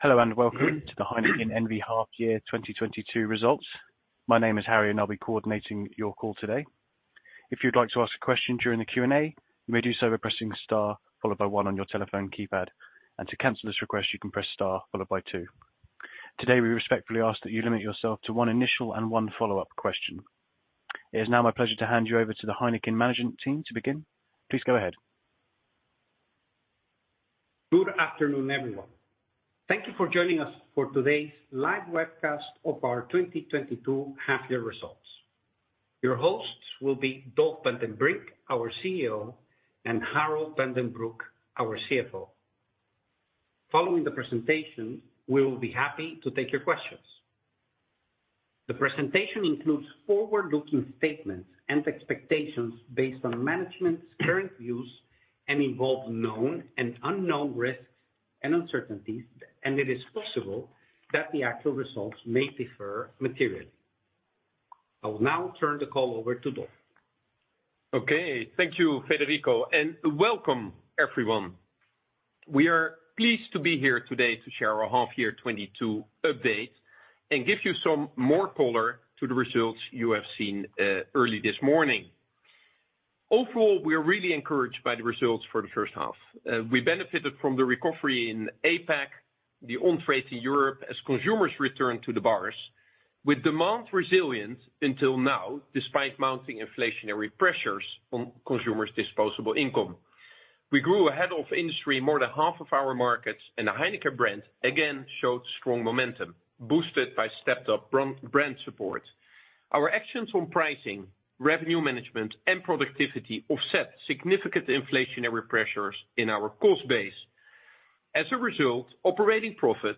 Hello, and welcome to the Heineken N.V. Half Year 2022 Results. My name is Harry, and I'll be coordinating your call today. If you'd like to ask a question during the Q&A, you may do so by pressing star followed by one on your telephone keypad. To cancel this request, you can press star followed by two. Today, we respectfully ask that you limit yourself to one initial and one follow-up question. It is now my pleasure to hand you over to the Heineken management team to begin. Please go ahead. Good afternoon, everyone. Thank you for joining us for today's Live Webcast of our 2022 Half Year Results. Your hosts will be Dolf van den Brink, our CEO, and Harold van den Broek, our CFO. Following the presentation, we will be happy to take your questions. The presentation includes forward-looking statements and expectations based on management's current views and involve known and unknown risks and uncertainties, and it is possible that the actual results may differ materially. I will now turn the call over to Dolf. Okay. Thank you, Federico, and welcome, everyone. We are pleased to be here today to share our half-year 2022 update and give you some more color to the results you have seen early this morning. Overall, we are really encouraged by the results for the first half. We benefited from the recovery in APAC, the on-trade in Europe as consumers return to the bars, with demand resilient until now, despite mounting inflationary pressures on consumers' disposable income. We grew ahead of industry more than half of our markets, and the Heineken brand again showed strong momentum, boosted by stepped up brand support. Our actions on pricing, revenue management, and productivity offset significant inflationary pressures in our cost base. As a result, operating profit,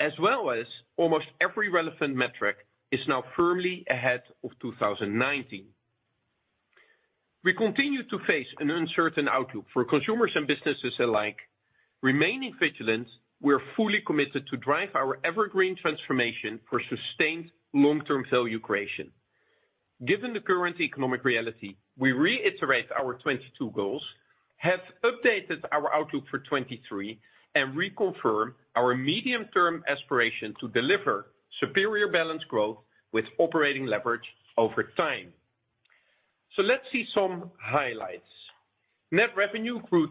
as well as almost every relevant metric, is now firmly ahead of 2019. We continue to face an uncertain outlook for consumers and businesses alike. Remaining vigilant, we're fully committed to drive our EverGreen transformation for sustained long-term value creation. Given the current economic reality, we reiterate our 2022 goals, have updated our outlook for 2023, and reconfirm our medium-term aspiration to deliver superior balanced growth with operating leverage over time. Let's see some highlights. Net revenue grew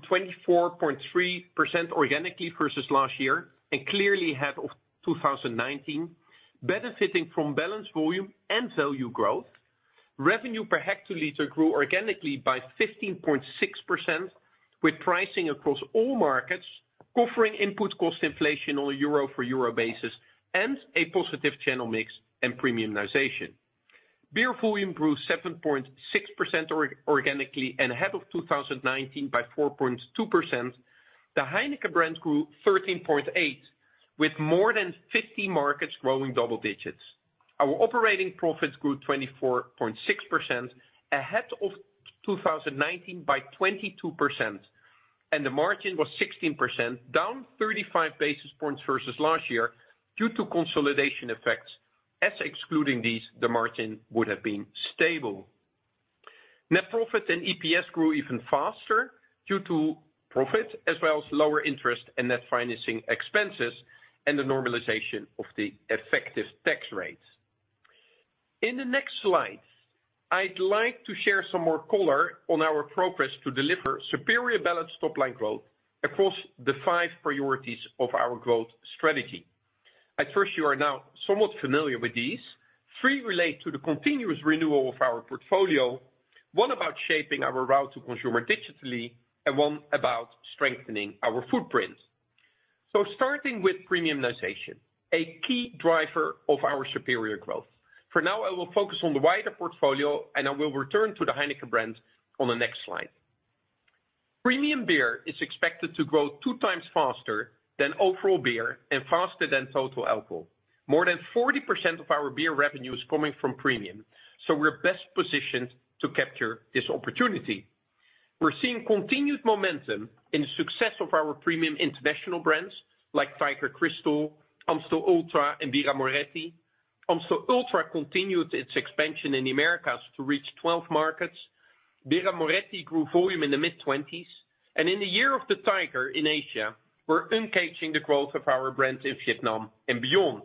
24.3% organically versus last year and clearly ahead of 2019, benefiting from balanced volume and value growth. Revenue per hectoliter grew organically by 15.6%, with pricing across all markets offering input cost inflation on a euro-for-euro basis and a positive channel mix and premiumization. Beer volume grew 7.6% organically and ahead of 2019 by 4.2%. The Heineken brands grew 13.8, with more than 50 markets growing double digits. Our operating profits grew 24.6%, ahead of 2019 by 22%, and the margin was 16%, down 35 basis points versus last year due to consolidation effects, as excluding these, the margin would have been stable. Net profit and EPS grew even faster due to lower taxes, as well as lower interest and net financing expenses and the normalization of the effective tax rates. In the next slide, I'd like to share some more color on our progress to deliver superior balanced top line growth across the five priorities of our growth strategy. After all, you are now somewhat familiar with these. Three relate to the continuous renewal of our portfolio, one about shaping our route to consumer digitally, and one about strengthening our footprint. Starting with premiumization, a key driver of our superior growth. For now, I will focus on the wider portfolio, and I will return to the Heineken brands on the next slide. Premium beer is expected to grow 2x faster than overall beer and faster than total alcohol. More than 40% of our beer revenue is coming from premium, so we're best positioned to capture this opportunity. We're seeing continued momentum in the success of our premium international brands like Tiger Crystal, Amstel ULTRA, and Birra Moretti. Amstel ULTRA continued its expansion in the Americas to reach 12 markets. Birra Moretti grew volume in the mid-20s, and in the year of the Tiger in Asia, we're uncaging the growth of our brands in Vietnam and beyond.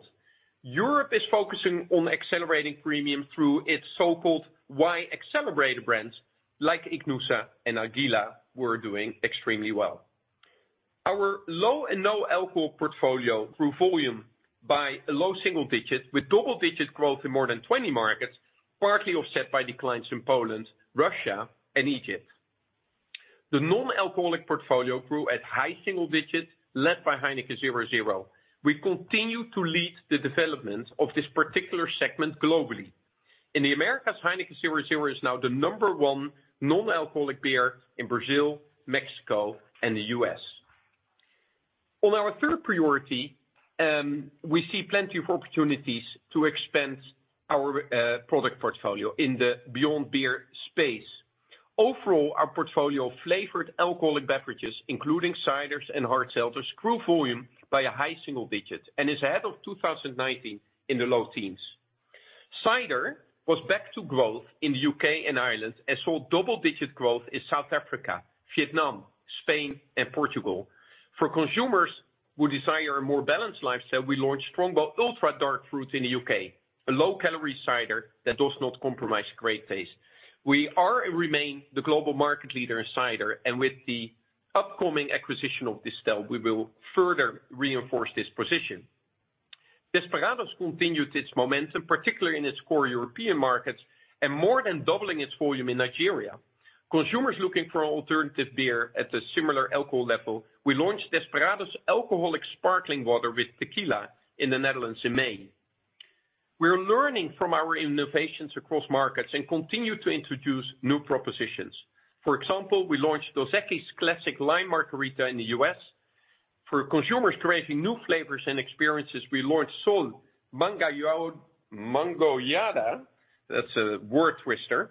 Europe is focusing on accelerating premium through its so-called Y-accelerator brands like Ichnusa and El Águila, were doing extremely well. Our low and no-alcohol portfolio grew volume by a low single digits, with double-digit growth in more than 20 markets, partly offset by declines in Poland, Russia, and Egypt. The non-alcoholic portfolio grew at high single digits, led by Heineken 0.0. We continue to lead the development of this particular segment globally. In the Americas, Heineken 0.0 is now the number one non-alcoholic beer in Brazil, Mexico, and the U.S. On our third priority, we see plenty of opportunities to expand our product portfolio in the beyond beer space. Overall, our portfolio of flavored alcoholic beverages, including ciders and hard seltzers, grew volume by a high single digits and is ahead of 2019 in the low teens. Cider was back to growth in the U.K. and Ireland, and saw double-digit growth in South Africa, Vietnam, Spain, and Portugal. For consumers who desire a more balanced lifestyle, we launched Strongbow ULTRA Dark Fruit in the U.K., a low-calorie cider that does not compromise great taste. We are and remain the global market leader in cider, and with the upcoming acquisition of Distell, we will further reinforce this position. Desperados continued its momentum, particularly in its core European markets, and more than doubling its volume in Nigeria. Consumers looking for alternative beer at a similar alcohol level, we launched Desperados Alcoholic Sparkling Water with tequila in the Netherlands in May. We're learning from our innovations across markets and continue to introduce new propositions. For example, we launched Dos Equis Margarita Classic Lime in the U.S. For consumers craving new flavors and experiences, we launched Sol Mangoyada, that's a word twister,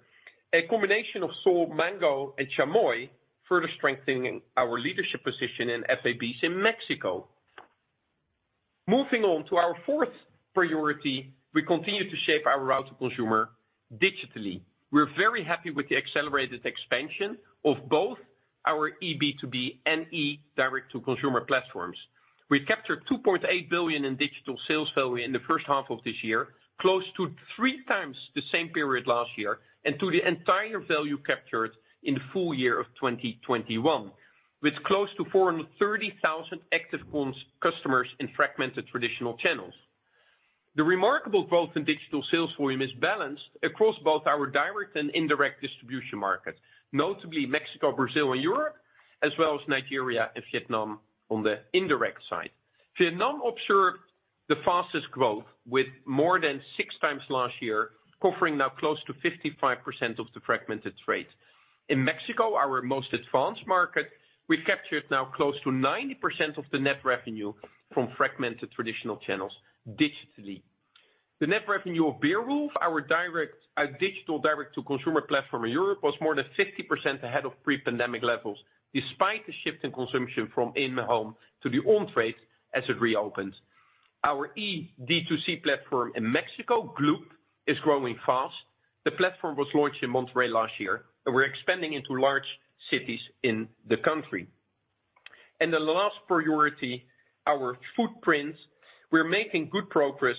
a combination of Sol Mango and Chamoy, further strengthening our leadership position in FABs in Mexico. Moving on to our fourth priority, we continue to shape our route-to-consumer digitally. We're very happy with the accelerated expansion of both our B2B and e direct-to-consumer platforms. We've captured 2.8 billion in digital sales volume in the first half of this year, close to three times the same period last year, and to the entire value captured in full year of 2021. With close to 430,000 active customers in fragmented traditional channels. The remarkable growth in digital sales volume is balanced across both our direct and indirect distribution markets, notably Mexico, Brazil, and Europe, as well as Nigeria and Vietnam on the indirect side. Vietnam observed the fastest growth with more than six times last year, covering now close to 55% of the fragmented trades. In Mexico, our most advanced market, we've captured now close to 90% of the net revenue from fragmented traditional channels digitally. The net revenue of Beerwulf, our digital direct-to-consumer platform in Europe, was more than 50% ahead of pre-pandemic levels, despite the shift in consumption from in the home to the on-trade as it reopens. Our eD2C platform in Mexico, Glup, is growing fast. The platform was launched in Monterrey last year, and we're expanding into large cities in the country. The last priority, our footprint. We're making good progress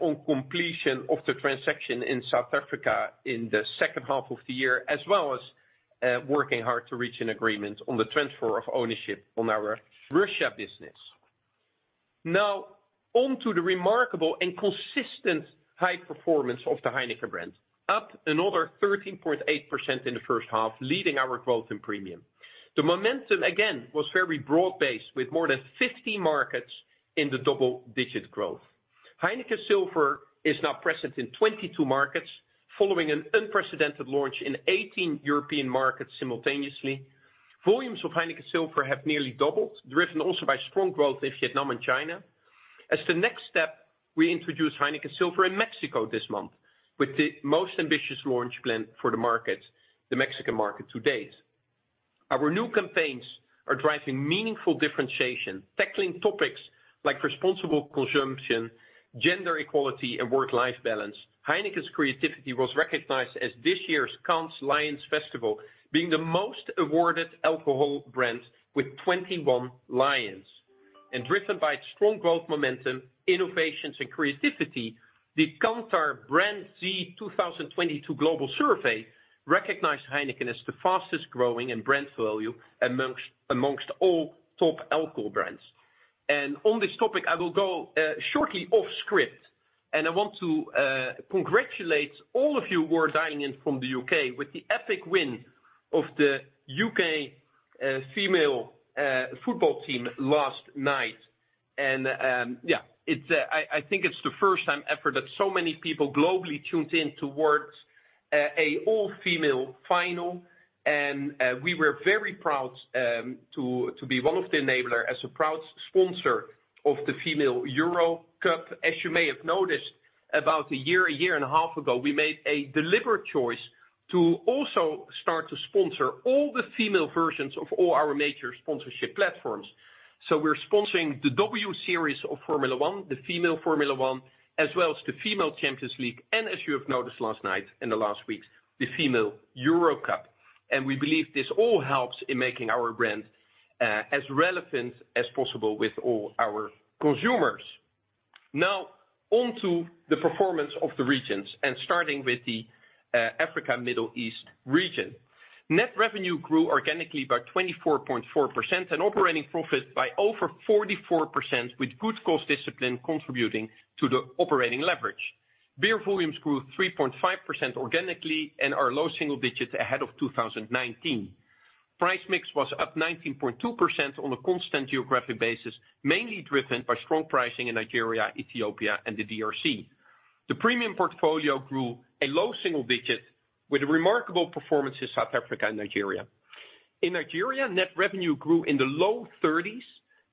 on completion of the transaction in South Africa in the second half of the year, as well as working hard to reach an agreement on the transfer of ownership on our Russian business. Now on to the remarkable and consistent high performance of the Heineken brand. Up another 13.8% in the first half, leading our growth in premium. The momentum, again, was very broad-based with more than 50 markets in the double-digit growth. Heineken Silver is now present in 22 markets following an unprecedented launch in 18 European markets simultaneously. Volumes of Heineken Silver have nearly doubled, driven also by strong growth in Vietnam and China. As the next step, we introduced Heineken Silver in Mexico this month with the most ambitious launch plan for the market, the Mexican market to date. Our new campaigns are driving meaningful differentiation, tackling topics like responsible consumption, gender equality, and work-life balance. Heineken's creativity was recognized as this year's Cannes Lions Festival, being the most awarded alcohol brand with 21 Lions. Driven by its strong growth momentum, innovations, and creativity, the Kantar BrandZ 2022 global survey recognized Heineken as the fastest growing in brand value amongst all top alcohol brands. On this topic, I will go shortly off script, and I want to congratulate all of you who are dialing in from the U.K. with the epic win of the U.K. female football team last night. I think it's the first time ever that so many people globally tuned in towards a all-female final. We were very proud to be one of the enabler as a proud sponsor of the Female Euro Cup. As you may have noticed about a year, a year and a half ago, we made a deliberate choice to also start to sponsor all the female versions of all our major sponsorship platforms. We're sponsoring the W Series of Formula One, the Female Formula One, as well as the female Champions League, and as you have noticed last night, in the last weeks, the Female Euro Cup. We believe this all helps in making our brand as relevant as possible with all our consumers. Now on to the performance of the regions, and starting with the Africa, Middle East region. Net revenue grew organically by 24.4%, and operating profit by over 44%, with good cost discipline contributing to the operating leverage. Beer volumes grew 3.5% organically and are low single digits ahead of 2019. Price mix was up 19.2% on a constant geographic basis, mainly driven by strong pricing in Nigeria, Ethiopia, and the DRC. The premium portfolio grew a low single digit with a remarkable performance in South Africa and Nigeria. In Nigeria, net revenue grew in the low 30s,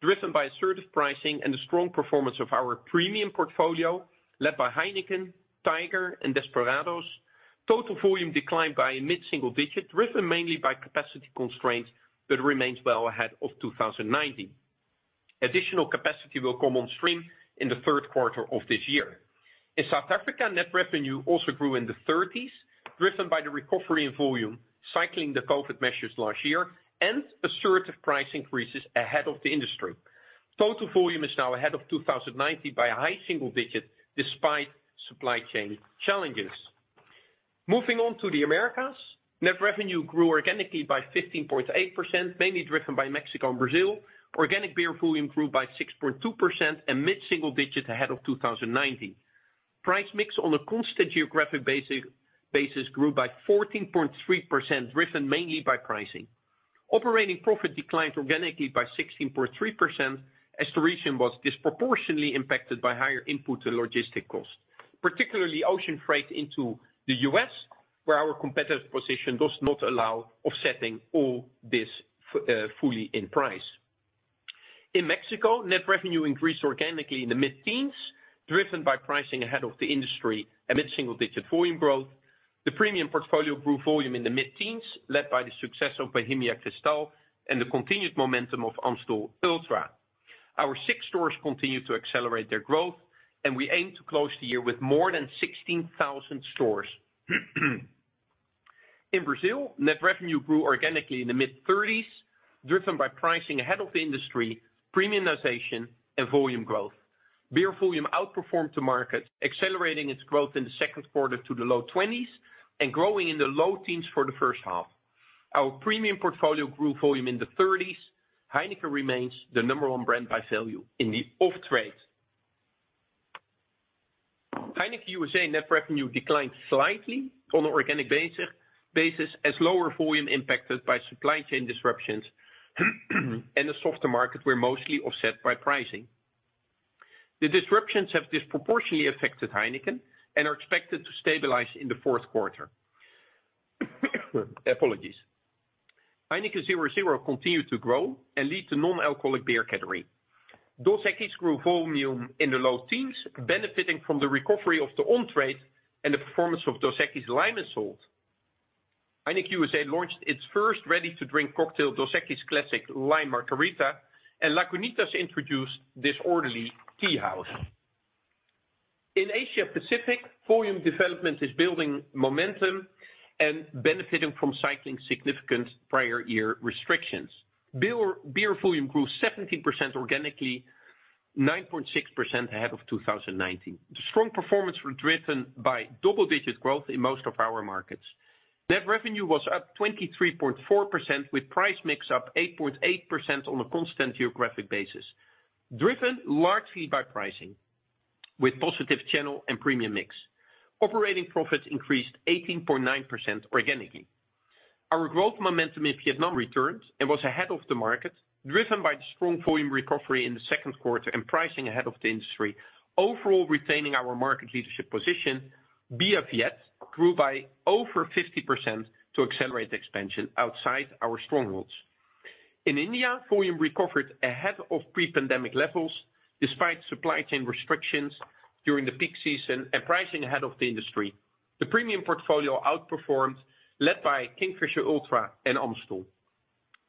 driven by assertive pricing and the strong performance of our premium portfolio led by Heineken, Tiger, and Desperados. Total volume declined by a mid-single digit, driven mainly by capacity constraints, but remains well ahead of 2019. Additional capacity will come on stream in the third quarter of this year. In South Africa, net revenue also grew in the 30s, driven by the recovery in volume, cycling the COVID measures last year and assertive price increases ahead of the industry. Total volume is now ahead of 2019 by high single digits despite supply chain challenges. Moving on to the Americas. Net revenue grew organically by 15.8%, mainly driven by Mexico and Brazil. Organic beer volume grew by 6.2% and mid-single digits ahead of 2019. Price mix on a constant geographic basis grew by 14.3%, driven mainly by pricing. Operating profit declined organically by 16.3% as the region was disproportionately impacted by higher input and logistic costs, particularly ocean freight into the U.S., where our competitive position does not allow offsetting all this fully in price. In Mexico, net revenue increased organically in the mid-teens, driven by pricing ahead of the industry and mid-single-digit volume growth. The premium portfolio grew volume in the mid-teens, led by the success of Bohemia Cristal and the continued momentum of Amstel ULTRA. Our Six stores continue to accelerate their growth, and we aim to close the year with more than 16,000 stores. In Brazil, net revenue grew organically in the mid-30s%, driven by pricing ahead of the industry, premiumization and volume growth. Beer volume outperformed the market, accelerating its growth in the second quarter to the low 20s% and growing in the low 10s% for the first half. Our premium portfolio grew volume in the 30s%. Heineken remains the number one brand by value in the off-trade. Heineken USA net revenue declined slightly on an organic basis, as lower volume impacted by supply chain disruptions and a softer market were mostly offset by pricing. The disruptions have disproportionately affected Heineken and are expected to stabilize in the fourth quarter. Apologies. Heineken 0.0 continued to grow and lead the non-alcoholic beer category. Dos Equis grew volume in the low teens, benefiting from the recovery of the on-trade and the performance of Dos Equis Lime & Salt. Heineken USA launched its first ready-to-drink cocktail, Dos Equis Margarita Classic Lime, and Lagunitas introduced Disorderly TeaHouse. In Asia Pacific, volume development is building momentum and benefiting from cycling significant prior year restrictions. Beer volume grew 17% organically, 9.6% ahead of 2019. The strong performance was driven by double-digit growth in most of our markets. Net revenue was up 23.4% with price mix up 8.8% on a constant geographic basis, driven largely by pricing with positive channel and premium mix. Operating profits increased 18.9% organically. Our growth momentum in Vietnam returned and was ahead of the market, driven by the strong volume recovery in the second quarter and pricing ahead of the industry. Overall, retaining our market leadership position, Bia Viet grew by over 50% to accelerate expansion outside our strongholds. In India, volume recovered ahead of pre-pandemic levels despite supply chain restrictions during the peak season and pricing ahead of the industry. The premium portfolio outperformed, led by Kingfisher Ultra and Amstel.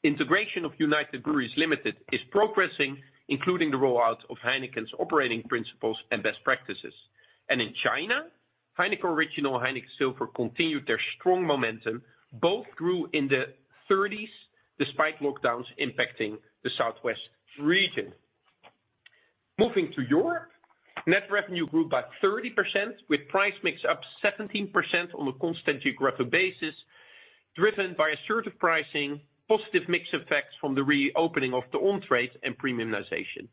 Integration of United Breweries Limited is progressing, including the rollout of Heineken's operating principles and best practices. In China, Heineken Original, Heineken Silver continued their strong momentum. Both grew in the thirties despite lockdowns impacting the southwest region. Moving to Europe, net revenue grew by 30%, with price mix up 17% on a constant geographic basis, driven by assertive pricing, positive mix effects from the reopening of the on-trade and premiumization.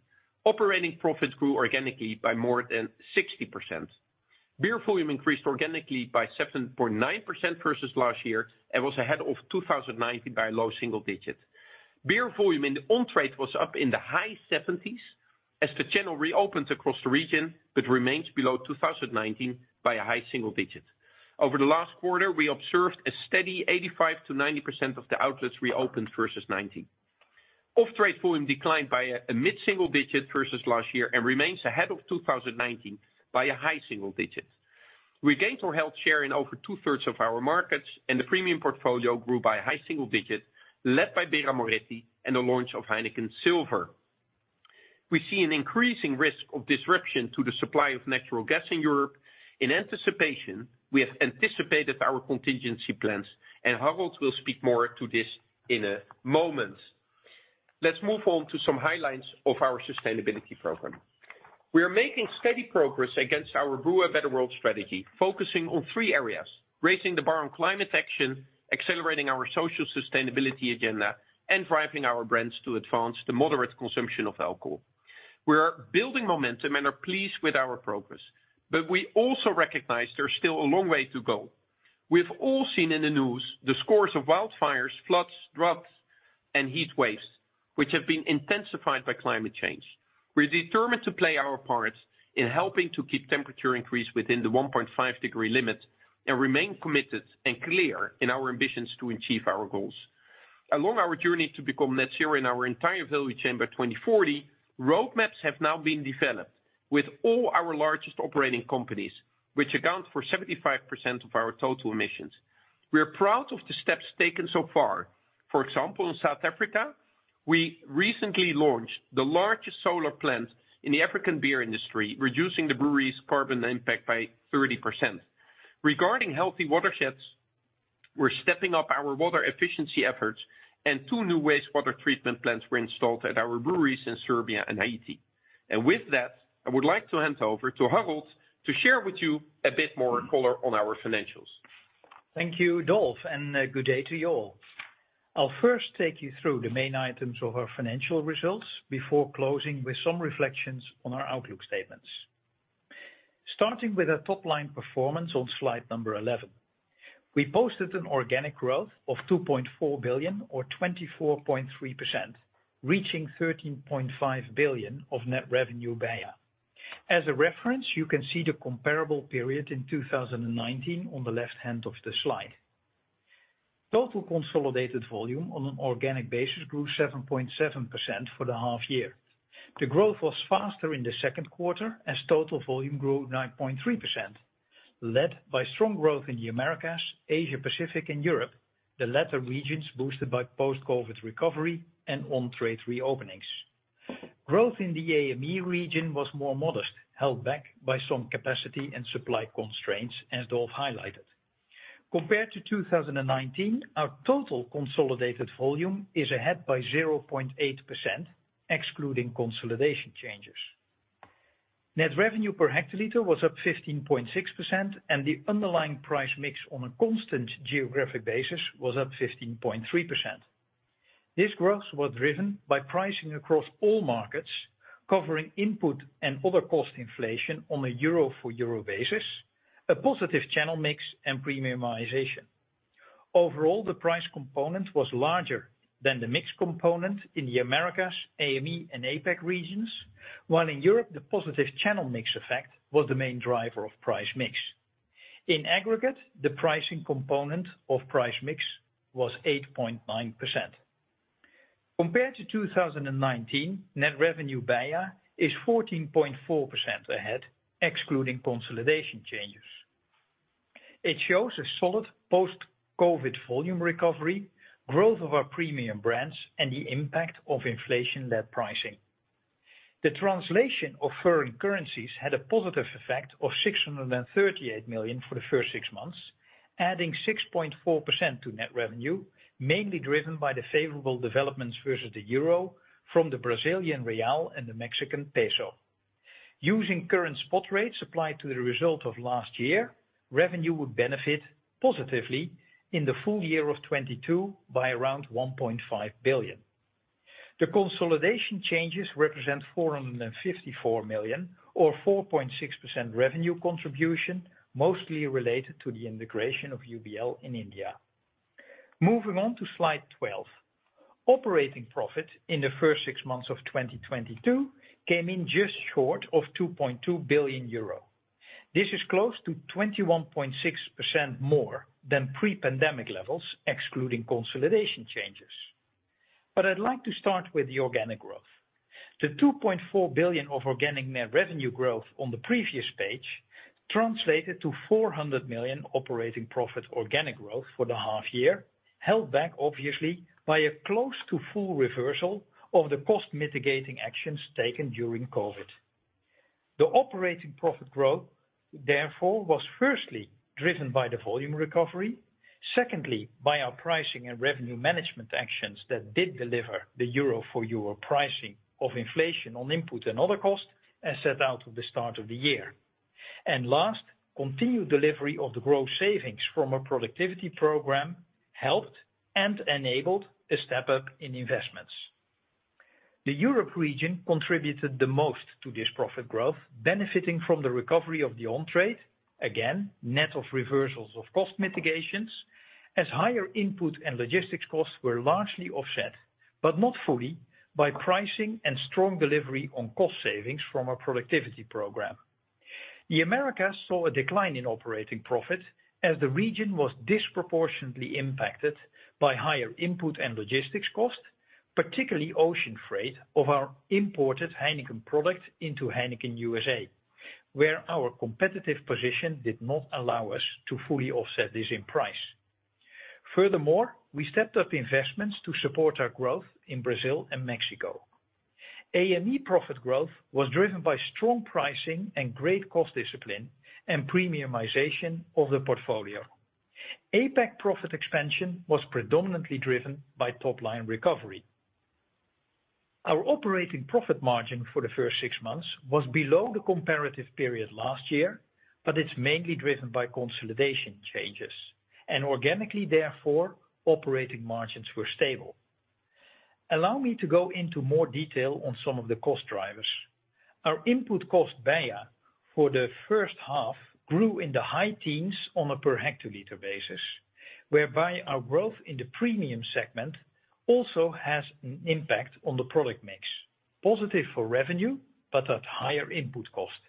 Operating profits grew organically by more than 60%. Beer volume increased organically by 7.9% versus last year and was ahead of 2019 by a low single digits. Beer volume in the on-trade was up in the high 70s as the channel reopens across the region, but remains below 2019 by a high single digits. Over the last quarter, we observed a steady 85%-90% of the outlets reopened versus 2019. Off-trade volume declined by a mid-single digits versus last year and remains ahead of 2019 by a high single digits. We gained or held share in over 2/3 of our markets, and the premium portfolio grew by a high single digits, led by Birra Moretti and the launch of Heineken Silver. We see an increasing risk of disruption to the supply of natural gas in Europe. In anticipation, we have anticipated our contingency plans, and Harold will speak more to this in a moment. Let's move on to some highlights of our sustainability program. We are making steady progress against our Brew a Better World strategy, focusing on three areas, raising the bar on climate action, accelerating our social sustainability agenda, and driving our brands to advance the moderate consumption of alcohol. We are building momentum and are pleased with our progress, but we also recognize there's still a long way to go. We've all seen in the news the scores of wildfires, floods, droughts, and heatwaves which have been intensified by climate change. We're determined to play our part in helping to keep temperature increase within the 1.5-degree limit and remain committed and clear in our ambitions to achieve our goals. Along our journey to become net zero in our entire value chain by 2040, roadmaps have now been developed with all our largest operating companies, which account for 75% of our total emissions. We are proud of the steps taken so far. For example, in South Africa, we recently launched the largest solar plant in the African beer industry, reducing the brewery's carbon impact by 30%. Regarding healthy watersheds, we're stepping up our water efficiency efforts, and two new wastewater treatment plants were installed at our breweries in Serbia and Haiti. With that, I would like to hand over to Harold to share with you a bit more color on our financials. Thank you, Dolf, and good day to you all. I'll first take you through the main items of our financial results before closing with some reflections on our outlook statements. Starting with our top-line performance on slide 11. We posted an organic growth of 2.4 billion or 24.3%, reaching 13.5 billion of net revenue BEIA. As a reference, you can see the comparable period in 2019 on the left-hand of the slide. Total consolidated volume on an organic basis grew 7.7% for the half year. The growth was faster in the second quarter as total volume grew 9.3%, led by strong growth in the Americas, Asia Pacific and Europe. The latter regions boosted by post-COVID recovery and on-trade reopenings. Growth in the AME region was more modest, held back by some capacity and supply constraints, as Dolf highlighted. Compared to 2019, our total consolidated volume is ahead by 0.8%, excluding consolidation changes. Net revenue per hectoliter was up 15.6%, and the underlying price mix on a constant geographic basis was up 15.3%. These growths were driven by pricing across all markets, covering input and other cost inflation on a euro-for-euro basis, a positive channel mix and premiumization. Overall, the price component was larger than the mix component in the Americas, AME and APAC regions, while in Europe, the positive channel mix effect was the main driver of price mix. In aggregate, the pricing component of price mix was 8.9%. Compared to 2019, net revenue BEIA is 14.4% ahead, excluding consolidation changes. It shows a solid post-COVID volume recovery, growth of our premium brands, and the impact of inflation-led pricing. The translation of foreign currencies had a positive effect of 638 million for the first six months, adding 6.4% to net revenue, mainly driven by the favorable developments versus the euro from the Brazilian real and the Mexican peso. Using current spot rates applied to the result of last year, revenue would benefit positively in the full year of 2022 by around 1.5 billion. The consolidation changes represent 454 million or 4.6% revenue contribution, mostly related to the integration of UBL in India. Moving on to slide 12. Operating profit in the first six months of 2022 came in just short of 2.2 billion euro. This is close to 21.6% more than pre-pandemic levels, excluding consolidation changes. I'd like to start with the organic growth. The 2.4 billion of organic net revenue growth on the previous page translated to 400 million operating profit organic growth for the half year, held back obviously by a close to full reversal of the cost mitigating actions taken during COVID. The operating profit growth, therefore, was firstly driven by the volume recovery, secondly, by our pricing and revenue management actions that did deliver the euro-for-euro pricing of inflation on input and other costs as set out at the start of the year. Last, continued delivery of the growth savings from a productivity program helped and enabled a step up in investments. The Europe region contributed the most to this profit growth, benefiting from the recovery of the on-trade, again, net of reversals of cost mitigations, as higher input and logistics costs were largely offset, but not fully, by pricing and strong delivery on cost savings from our productivity program. The Americas saw a decline in operating profit as the region was disproportionately impacted by higher input and logistics costs, particularly ocean freight of our imported Heineken products into Heineken USA, where our competitive position did not allow us to fully offset this in price. Furthermore, we stepped up investments to support our growth in Brazil and Mexico. AME profit growth was driven by strong pricing and great cost discipline and premiumization of the portfolio. APAC profit expansion was predominantly driven by top-line recovery. Our operating profit margin for the first six months was below the comparative period last year, but it's mainly driven by consolidation changes, and organically therefore, operating margins were stable. Allow me to go into more detail on some of the cost drivers. Our input cost BEIA for the first half grew in the high teens% on a per hectoliter basis, whereby our growth in the premium segment also has an impact on the product mix, positive for revenue, but at higher input cost.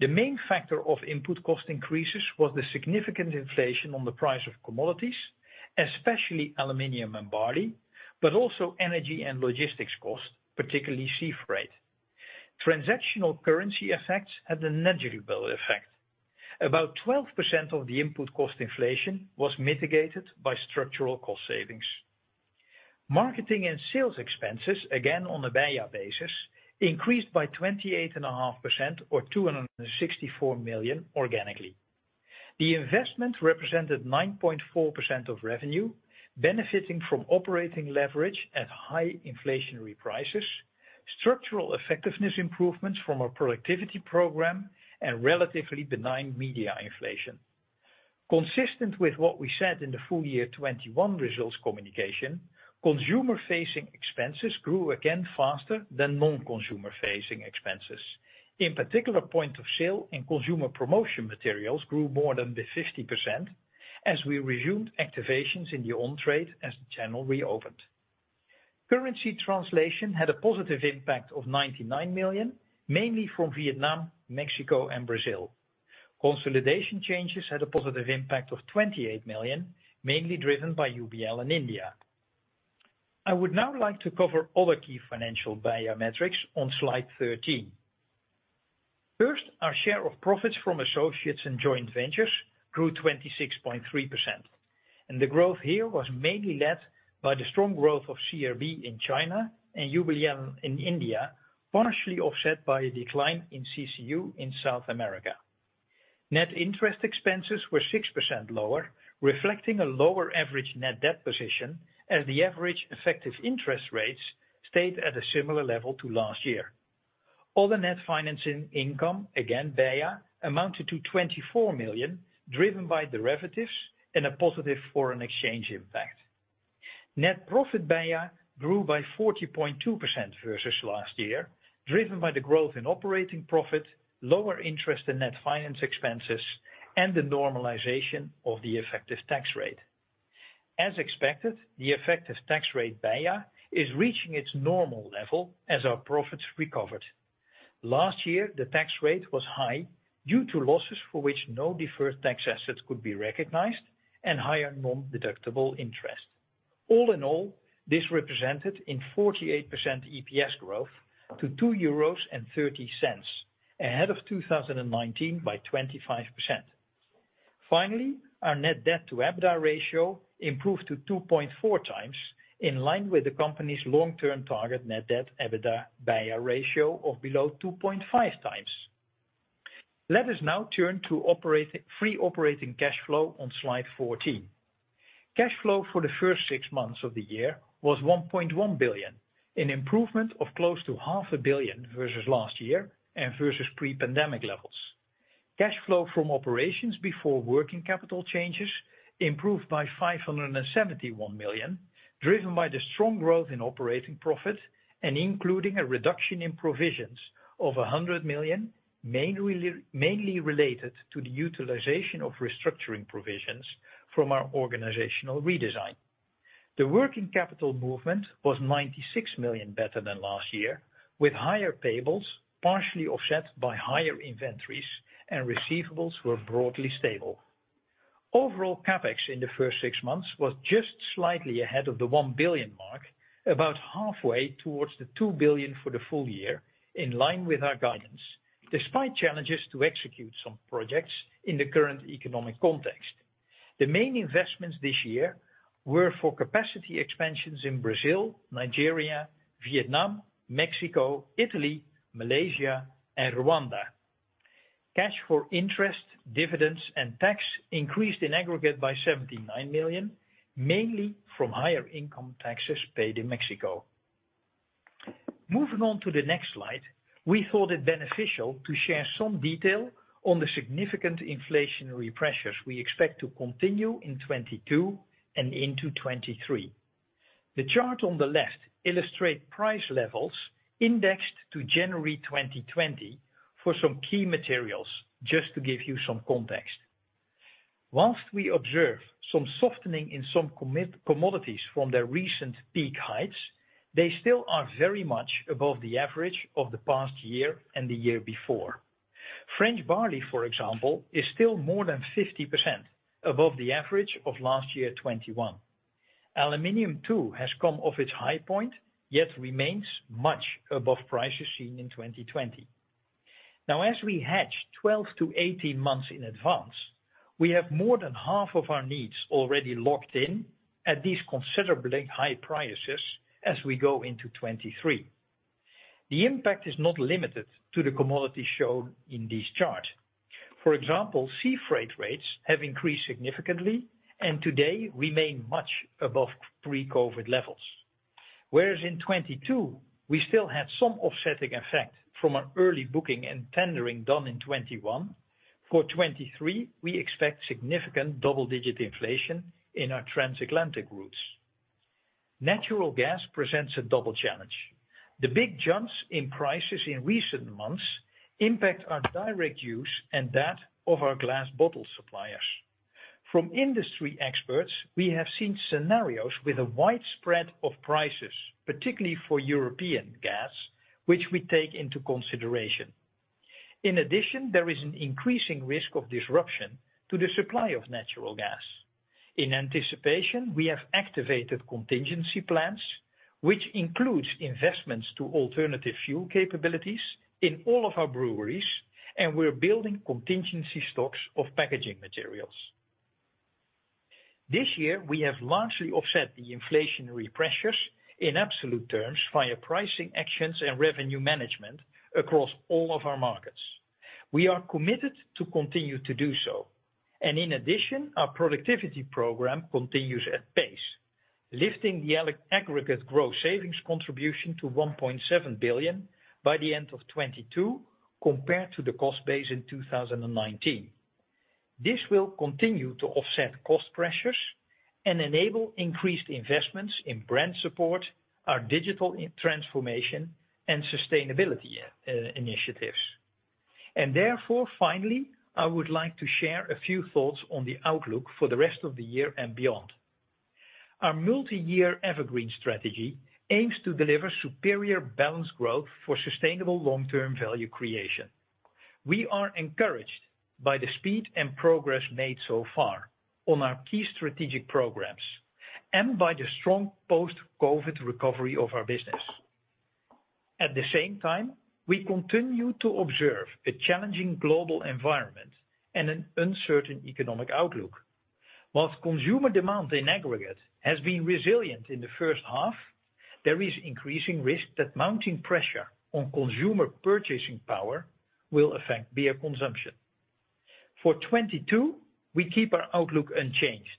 The main factor of input cost increases was the significant inflation on the price of commodities, especially aluminum and barley, but also energy and logistics costs, particularly sea freight. Transactional currency effects had a negligible effect. About 12% of the input cost inflation was mitigated by structural cost savings. Marketing and sales expenses, again, on a BEIA basis, increased by 28.5% or 264 million organically. The investment represented 9.4% of revenue benefiting from operating leverage at high inflationary prices, structural effectiveness improvements from our productivity program, and relatively benign media inflation. Consistent with what we said in the full year 2021 results communication, consumer facing expenses grew again faster than non-consumer facing expenses. In particular, point of sale and consumer promotion materials grew more than 50% as we resumed activations in the on trade as the channel reopened. Currency translation had a positive impact of 99 million, mainly from Vietnam, Mexico and Brazil. Consolidation changes had a positive impact of 28 million, mainly driven by UBL in India. I would now like to cover other key financial BEIA metrics on slide 13. First, our share of profits from associates and joint ventures grew 26.3%, and the growth here was mainly led by the strong growth of CRB in China and UBL in India, partially offset by a decline in CCU in South America. Net interest expenses were 6% lower, reflecting a lower average net debt position as the average effective interest rates stayed at a similar level to last year. Other net financing income, again BEIA, amounted to 24 million, driven by derivatives and a positive foreign exchange impact. Net profit BEIA grew by 40.2% versus last year, driven by the growth in operating profit, lower interest and net finance expenses, and the normalization of the effective tax rate. As expected, the effective tax rate BEIA is reaching its normal level as our profits recovered. Last year, the tax rate was high due to losses for which no deferred tax assets could be recognized and higher non-deductible interest. All in all, this represented in 48% EPS growth to 2.30 euros, ahead of 2019 by 25%. Finally, our net debt to EBITDA ratio improved to 2.4x, in line with the company's long-term target net debt EBITDA BEIA ratio of below 2.5x. Let us now turn to free operating cash flow on slide 14. Cash flow for the first six months of the year was 1.1 billion, an improvement of close to half a billion versus last year and versus pre-pandemic levels. Cash flow from operations before working capital changes improved by 571 million, driven by the strong growth in operating profit and including a reduction in provisions of 100 million, mainly related to the utilization of restructuring provisions from our organizational redesign. The working capital movement was 96 million better than last year, with higher payables partially offset by higher inventories, and receivables were broadly stable. Overall, CapEx in the first six months was just slightly ahead of the 1 billion mark, about halfway towards the 2 billion for the full year, in line with our guidance, despite challenges to execute some projects in the current economic context. The main investments this year were for capacity expansions in Brazil, Nigeria, Vietnam, Mexico, Italy, Malaysia, and Rwanda. Cash for interest, dividends and tax increased in aggregate by 79 million, mainly from higher income taxes paid in Mexico. Moving on to the next slide, we thought it beneficial to share some detail on the significant inflationary pressures we expect to continue in 2022 and into 2023. The chart on the left illustrate price levels indexed to January 2020 for some key materials, just to give you some context. While we observe some softening in some commodities from their recent peak heights, they still are very much above the average of the past year and the year before. French barley, for example, is still more than 50% above the average of last year 2021. Aluminum too has come off its high point, yet remains much above prices seen in 2020. Now, as we hedge 12-18 months in advance, we have more than half of our needs already locked in at these considerably high prices as we go into 2023. The impact is not limited to the commodities shown in this chart. For example, sea freight rates have increased significantly and today remain much above pre-COVID levels. Whereas in 2022 we still had some offsetting effect from an early booking and tendering done in 2021, for 2023 we expect significant double-digit inflation in our transatlantic routes. Natural gas presents a double challenge. The big jumps in prices in recent months impact our direct use and that of our glass bottle suppliers. From industry experts, we have seen scenarios with a widespread of prices, particularly for European gas, which we take into consideration. In addition, there is an increasing risk of disruption to the supply of natural gas. In anticipation, we have activated contingency plans, which includes investments to alternative fuel capabilities in all of our breweries, and we're building contingency stocks of packaging materials. This year, we have largely offset the inflationary pressures in absolute terms via pricing actions and revenue management across all of our markets. We are committed to continue to do so, and in addition, our productivity program continues at pace, lifting the aggregate growth savings contribution to 1.7 billion by the end of 2022, compared to the cost base in 2019. This will continue to offset cost pressures and enable increased investments in brand support, our digital transformation and sustainability initiatives. Therefore, finally, I would like to share a few thoughts on the outlook for the rest of the year and beyond. Our multi-year EverGreen strategy aims to deliver superior balanced growth for sustainable long-term value creation. We are encouraged by the speed and progress made so far on our key strategic programs and by the strong post-COVID recovery of our business. At the same time, we continue to observe a challenging global environment and an uncertain economic outlook. While consumer demand in aggregate has been resilient in the first half, there is increasing risk that mounting pressure on consumer purchasing power will affect beer consumption. For 2022, we keep our outlook unchanged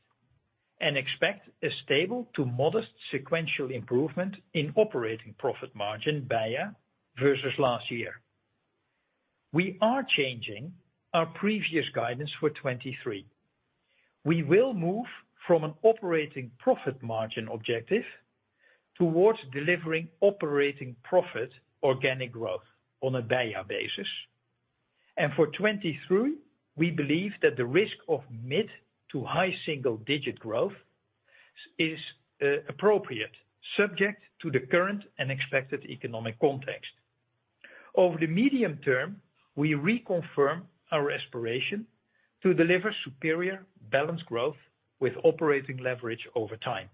and expect a stable- to modest-sequential improvement in operating profit margin BEIA versus last year. We are changing our previous guidance for 2023. We will move from an operating profit margin objective towards delivering operating profit organic growth on a BEIA basis. For 2023, we believe that the risk of mid- to high-single-digit growth is appropriate, subject to the current and expected economic context. Over the medium term, we reconfirm our aspiration to deliver superior balanced growth with operating leverage over time.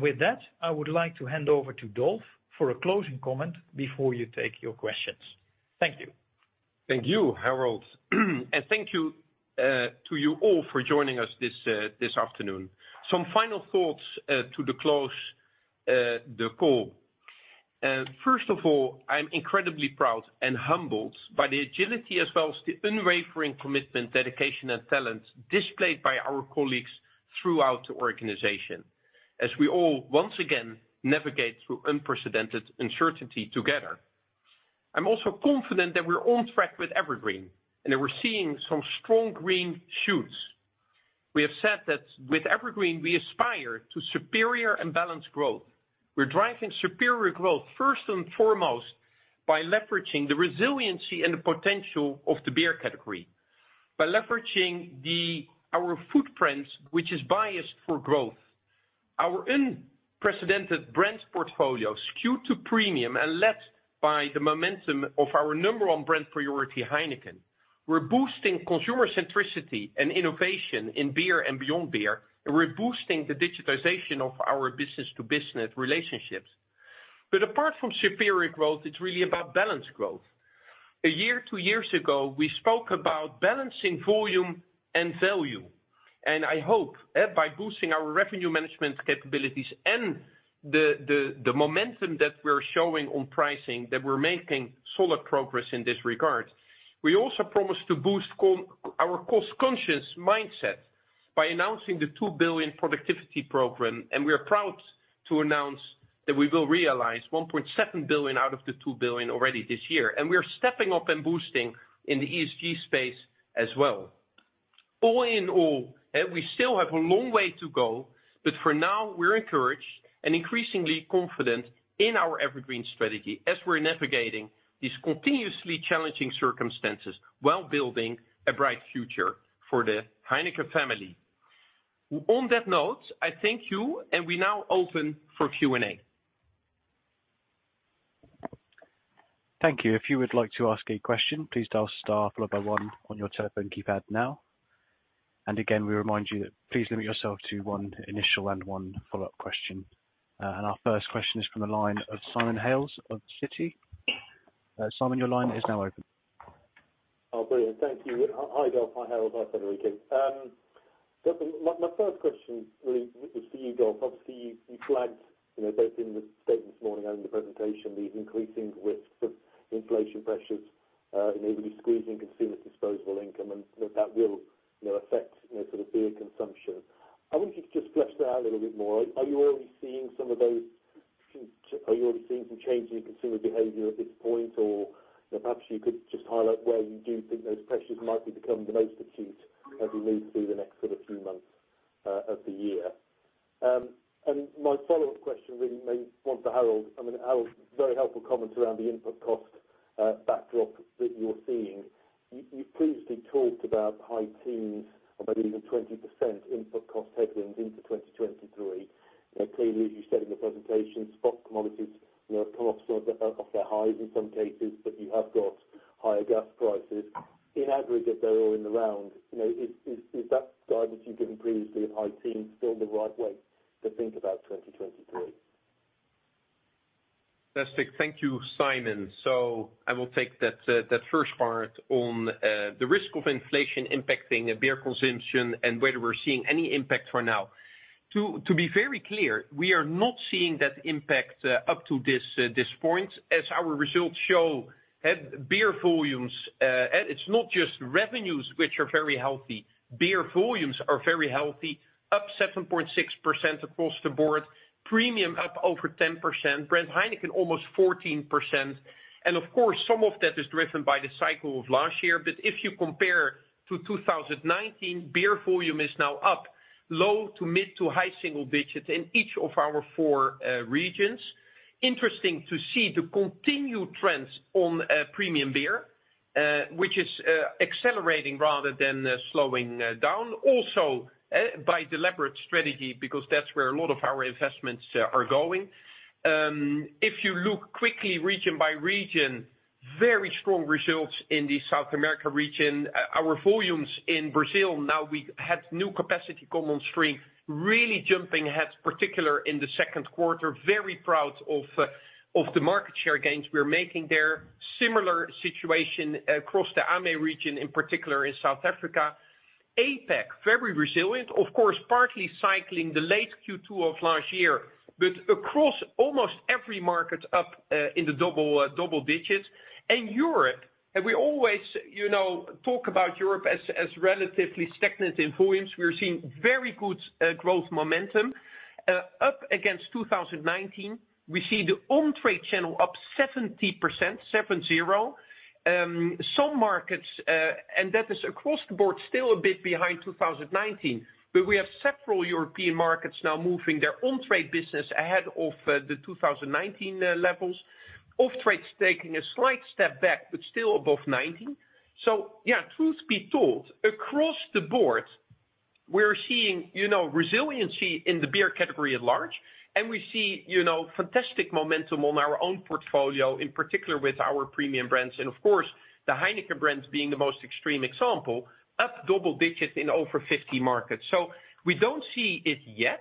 With that, I would like to hand over to Dolf for a closing comment before you take your questions. Thank you. Thank you, Harold. Thank you to you all for joining us this afternoon. Some final thoughts to close the call. First of all, I'm incredibly proud and humbled by the agility as well as the unwavering commitment, dedication, and talent displayed by our colleagues throughout the organization, as we all once again navigate through unprecedented uncertainty together. I'm also confident that we're on track with EverGreen and that we're seeing some strong green shoots. We have said that with EverGreen we aspire to superior and balanced growth. We're driving superior growth first and foremost by leveraging the resiliency and the potential of the beer category, by leveraging our footprints, which is biased for growth. Our unprecedented brands portfolio skewed to premium and led by the momentum of our number one brand priority, Heineken. We're boosting consumer centricity and innovation in beer and beyond beer, and we're boosting the digitization of our business to business relationships. Apart from superior growth, it's really about balanced growth. A year, two years ago, we spoke about balancing volume and value. I hope, by boosting our revenue management capabilities and the momentum that we're showing on pricing, that we're making solid progress in this regard. We also promise to boost our cost-conscious mindset by announcing the 2 billion productivity program, and we are proud to announce that we will realize 1.7 billion out of the 2 billion already this year. We are stepping up and boosting in the ESG space as well. All in all, we still have a long way to go, but for now, we're encouraged and increasingly confident in our EverGreen strategy as we're navigating these continuously challenging circumstances while building a bright future for the Heineken family. On that note, I thank you and we now open for Q&A. Thank you. If you would like to ask a question, please dial star followed by one on your telephone keypad now. Again, we remind you that please limit yourself to one initial and one follow-up question. Our first question is from the line of Simon Hales of Citi. Simon, your line is now open. Oh, brilliant. Thank you. Hi, Dolf. Hi, Harold. Hi, Federico. Dolf, my first question really is for you, Dolf. Obviously, you flagged, you know, both in the statement this morning and in the presentation, the increasing risks of inflation pressures, inevitably squeezing consumer disposable income and that will, you know, affect, you know, sort of beer consumption. I wonder if you could just flesh that out a little bit more. Are you already seeing some changes in consumer behavior at this point? Or perhaps you could just highlight where you do think those pressures might be becoming the most acute as we move through the next sort of few months of the year. My follow-up question really mainly one for Harold. I mean, Harold, very helpful comments around the input cost backdrop that you're seeing. You previously talked about high teens or maybe even 20% input cost headwinds into 2023. Now clearly, as you said in the presentation, spot commodities, you know, have come off sort of off their highs in some cases, but you have got higher gas prices. In aggregate, though, in the round, you know, is that guidance you've given previously of high teens still the right way to think about 2023? Fantastic. Thank you, Simon. I will take that first part on the risk of inflation impacting beer consumption and whether we're seeing any impact for now. To be very clear, we are not seeing that impact up to this point. As our results show, beer volumes. It's not just revenues which are very healthy. Beer volumes are very healthy, up 7.6% across the board, premium up over 10%, brand Heineken almost 14%. Of course, some of that is driven by the cycle of last year. If you compare to 2019, beer volume is now up low to mid to high single digits in each of our four regions. Interesting to see the continued trends on premium beer, which is accelerating rather than slowing down. By deliberate strategy, because that's where a lot of our investments are going. If you look quickly region by region, very strong results in the South America region. Our volumes in Brazil, now we have new capacity come on stream, really jumping ahead, particularly in the second quarter. Very proud of the market share gains we're making there. Similar situation across the AME region, in particular in South Africa. APAC, very resilient, of course, partly cycling the late Q2 of last year, but across almost every market up in the double digits. Europe, we always, you know, talk about Europe as relatively stagnant in volumes. We're seeing very good growth momentum up against 2019. We see the on-trade channel up 70%, 70. Some markets, that is across the board still a bit behind 2019. We have several European markets now moving their on-trade business ahead of the 2019 levels. Off-trade's taking a slight step back, but still above 90%. Yeah, truth be told, across the board, we're seeing, you know, resiliency in the beer category at large, and we see, you know, fantastic momentum on our own portfolio, in particular with our premium brands. Of course, the Heineken brands being the most extreme example, up double digits in over 50 markets. We don't see it yet.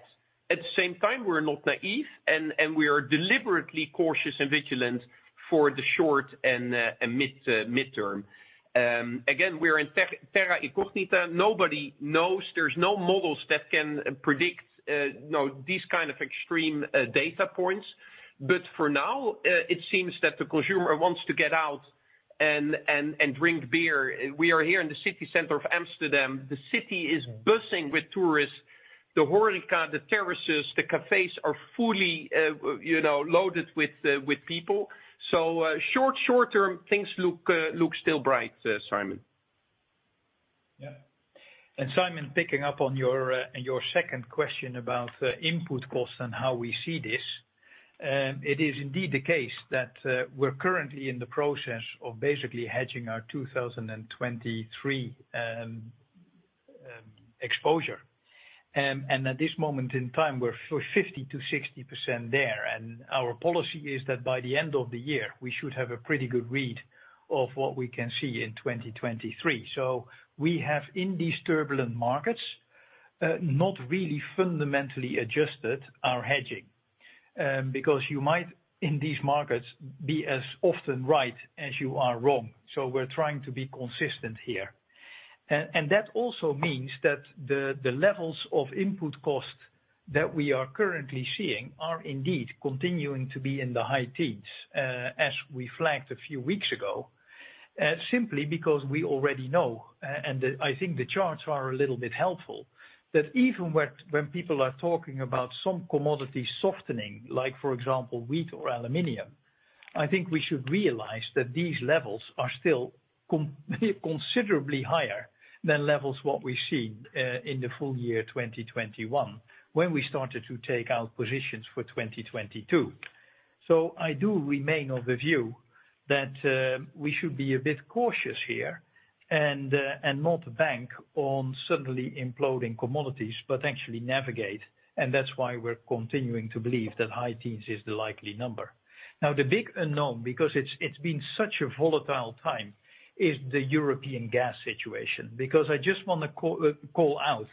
At the same time, we're not naive and we are deliberately cautious and vigilant for the short and mid-term. Again, we're in terra incognita. Nobody knows. There's no models that can predict these kind of extreme data points. For now, it seems that the consumer wants to get out and drink beer. We are here in the city center of Amsterdam. The city is buzzing with tourists. The Horeca, the terraces, the cafes are fully loaded with people. Short term, things look still bright, Simon. Yeah. Simon, picking up on your second question about input costs and how we see this, it is indeed the case that we're currently in the process of basically hedging our 2023 exposure. At this moment in time, we're 50%-60% there. Our policy is that by the end of the year, we should have a pretty good read of what we can see in 2023. We have, in these turbulent markets, not really fundamentally adjusted our hedging, because you might, in these markets, be as often right as you are wrong. We're trying to be consistent here. That also means that the levels of input cost that we are currently seeing are indeed continuing to be in the high teens, as we flagged a few weeks ago. Simply because we already know, and I think the charts are a little bit helpful, that even when people are talking about some commodities softening, like for example, wheat or aluminum, I think we should realize that these levels are still considerably higher than levels what we've seen, in the full year 2021, when we started to take out positions for 2022. I do remain of the view that we should be a bit cautious here and not bank on suddenly imploding commodities, but actually navigate. That's why we're continuing to believe that high teens is the likely number. Now, the big unknown, because it's been such a volatile time, is the European gas situation. I just wanna call out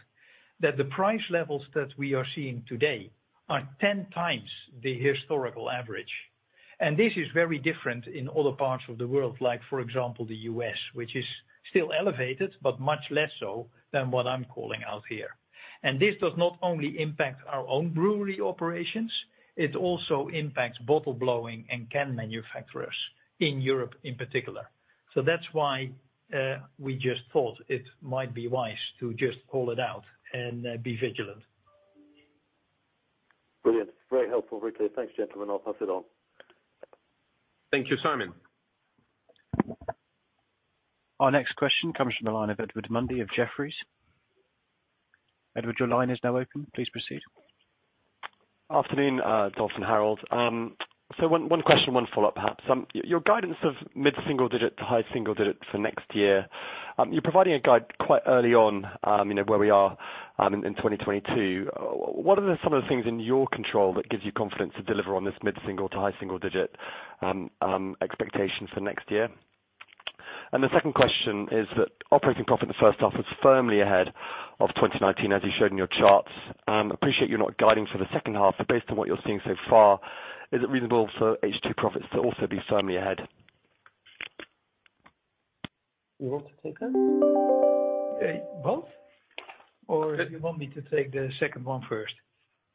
that the price levels that we are seeing today are 10 times the historical average. This is very different in other parts of the world, like for example, the U.S., which is still elevated, but much less so than what I'm calling out here. This does not only impact our own brewery operations, it also impacts bottle blowing and can manufacturers in Europe in particular. That's why we just thought it might be wise to just call it out and be vigilant. Brilliant. Very helpful, very clear. Thanks, gentlemen. I'll pass it on. Thank you, Simon. Our next question comes from the line of Edward Mundy of Jefferies. Edward, your line is now open. Please proceed. Afternoon, Dolf and Harold. One question, one follow-up, perhaps. Your guidance of mid-single-digit to high single-digit for next year, you're providing a guide quite early on, you know, where we are in 2022. What are some of the things in your control that gives you confidence to deliver on this mid-single to high single digit expectation for next year? The second question is that operating profit in the first half was firmly ahead of 2019, as you showed in your charts. Appreciate you're not guiding for the second half, but based on what you're seeing so far, is it reasonable for H2 profits to also be firmly ahead? You want to take that? Both? Or do you want me to take the second one first?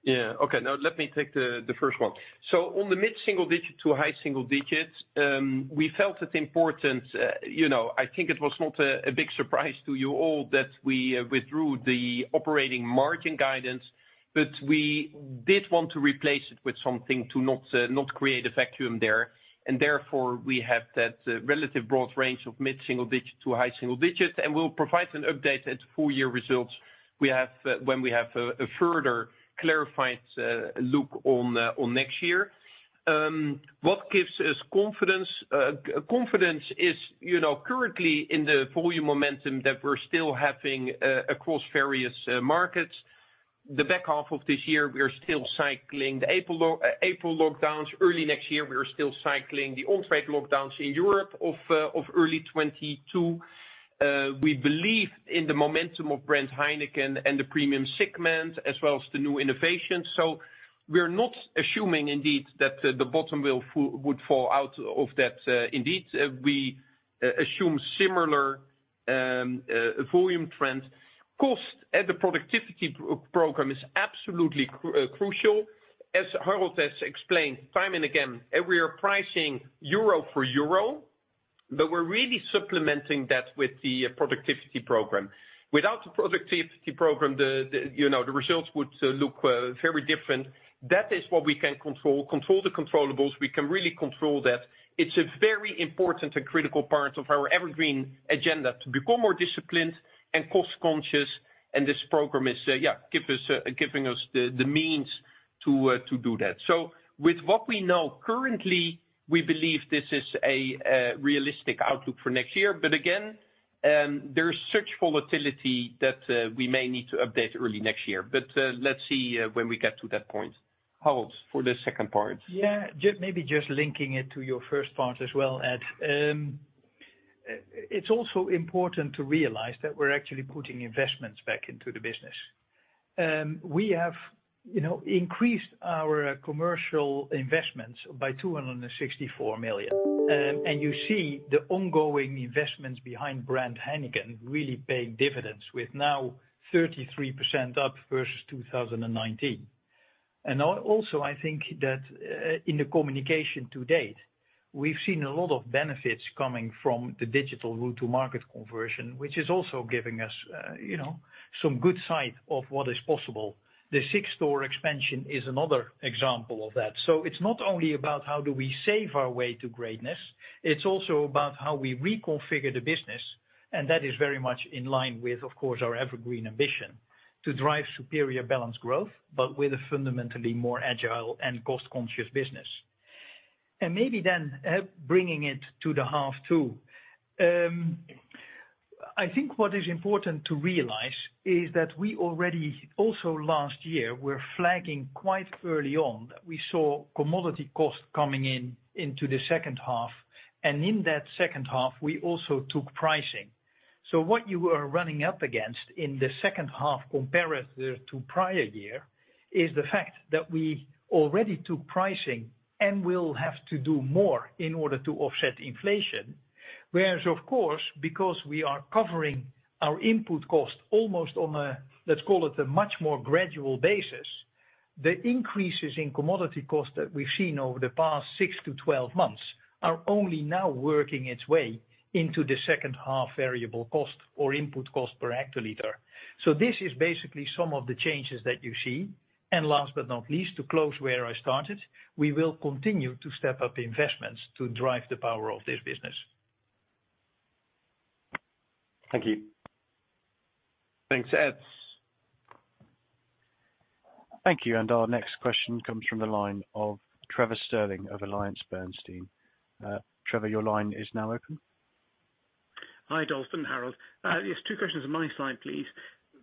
Okay. No, let me take the first one. On the mid-single-digit to high-single-digit, we felt it important. You know, I think it was not a big surprise to you all that we withdrew the operating margin guidance, but we did want to replace it with something to not create a vacuum there. Therefore, we have that relative broad range of mid-single-digit to high-single-digit, and we'll provide an update at full-year results. When we have a further clarified look on next year. What gives us confidence? Confidence is, you know, currently in the volume momentum that we're still having across various markets. The back half of this year, we are still cycling the April lockdowns. Early next year, we are still cycling the on-trade lockdowns in Europe of early 2022. We believe in the momentum of brand Heineken and the premium segment, as well as the new innovations. We're not assuming indeed that the bottom would fall out of that. We assume similar volume trends. Cost and the productivity program is absolutely crucial. As Harold has explained time and again, and we are pricing euro for euro, but we're really supplementing that with the productivity program. Without the productivity program, the results would look very different. That is what we can control. Control the controllables. We can really control that. It's a very important and critical part of our EverGreen agenda to become more disciplined and cost conscious, and this program is giving us the means to do that. With what we know currently, we believe this is a realistic outlook for next year. Again, there's such volatility that we may need to update early next year. Let's see when we get to that point. Harold, for the second part. Yeah. Maybe just linking it to your first part as well, Ed. It's also important to realize that we're actually putting investments back into the business. We have, you know, increased our commercial investments by 264 million. You see the ongoing investments behind brand Heineken really paying dividends, with now 33% up versus 2019. Also, I think that in the communication to date, we've seen a lot of benefits coming from the digital go-to-market conversion, which is also giving us, you know, some good sight of what is possible. The Six store expansion is another example of that. It's not only about how do we save our way to greatness, it's also about how we reconfigure the business, and that is very much in line with, of course, our EverGreen ambition to drive superior balanced growth, but with a fundamentally more agile and cost-conscious business. Maybe then, Ed, bringing it to the half too. I think what is important to realize is that we already, also last year, were flagging quite early on that we saw commodity costs coming in into the second half. In that second half, we also took pricing. What you are running up against in the second half compared to prior year is the fact that we already took pricing and will have to do more in order to offset inflation. Whereas of course, because we are covering our input costs almost on a, let's call it a much more gradual basis, the increases in commodity costs that we've seen over the past six to 12 months are only now working its way into the second half variable cost or input cost per hectoliter. This is basically some of the changes that you see. Last but not least, to close where I started, we will continue to step up investments to drive the power of this business. Thank you. Thanks, Ed. Thank you. Our next question comes from the line of Trevor Stirling of AllianceBernstein. Trevor, your line is now open. Hi, Dolf and Harold. Yes, two questions on my side, please.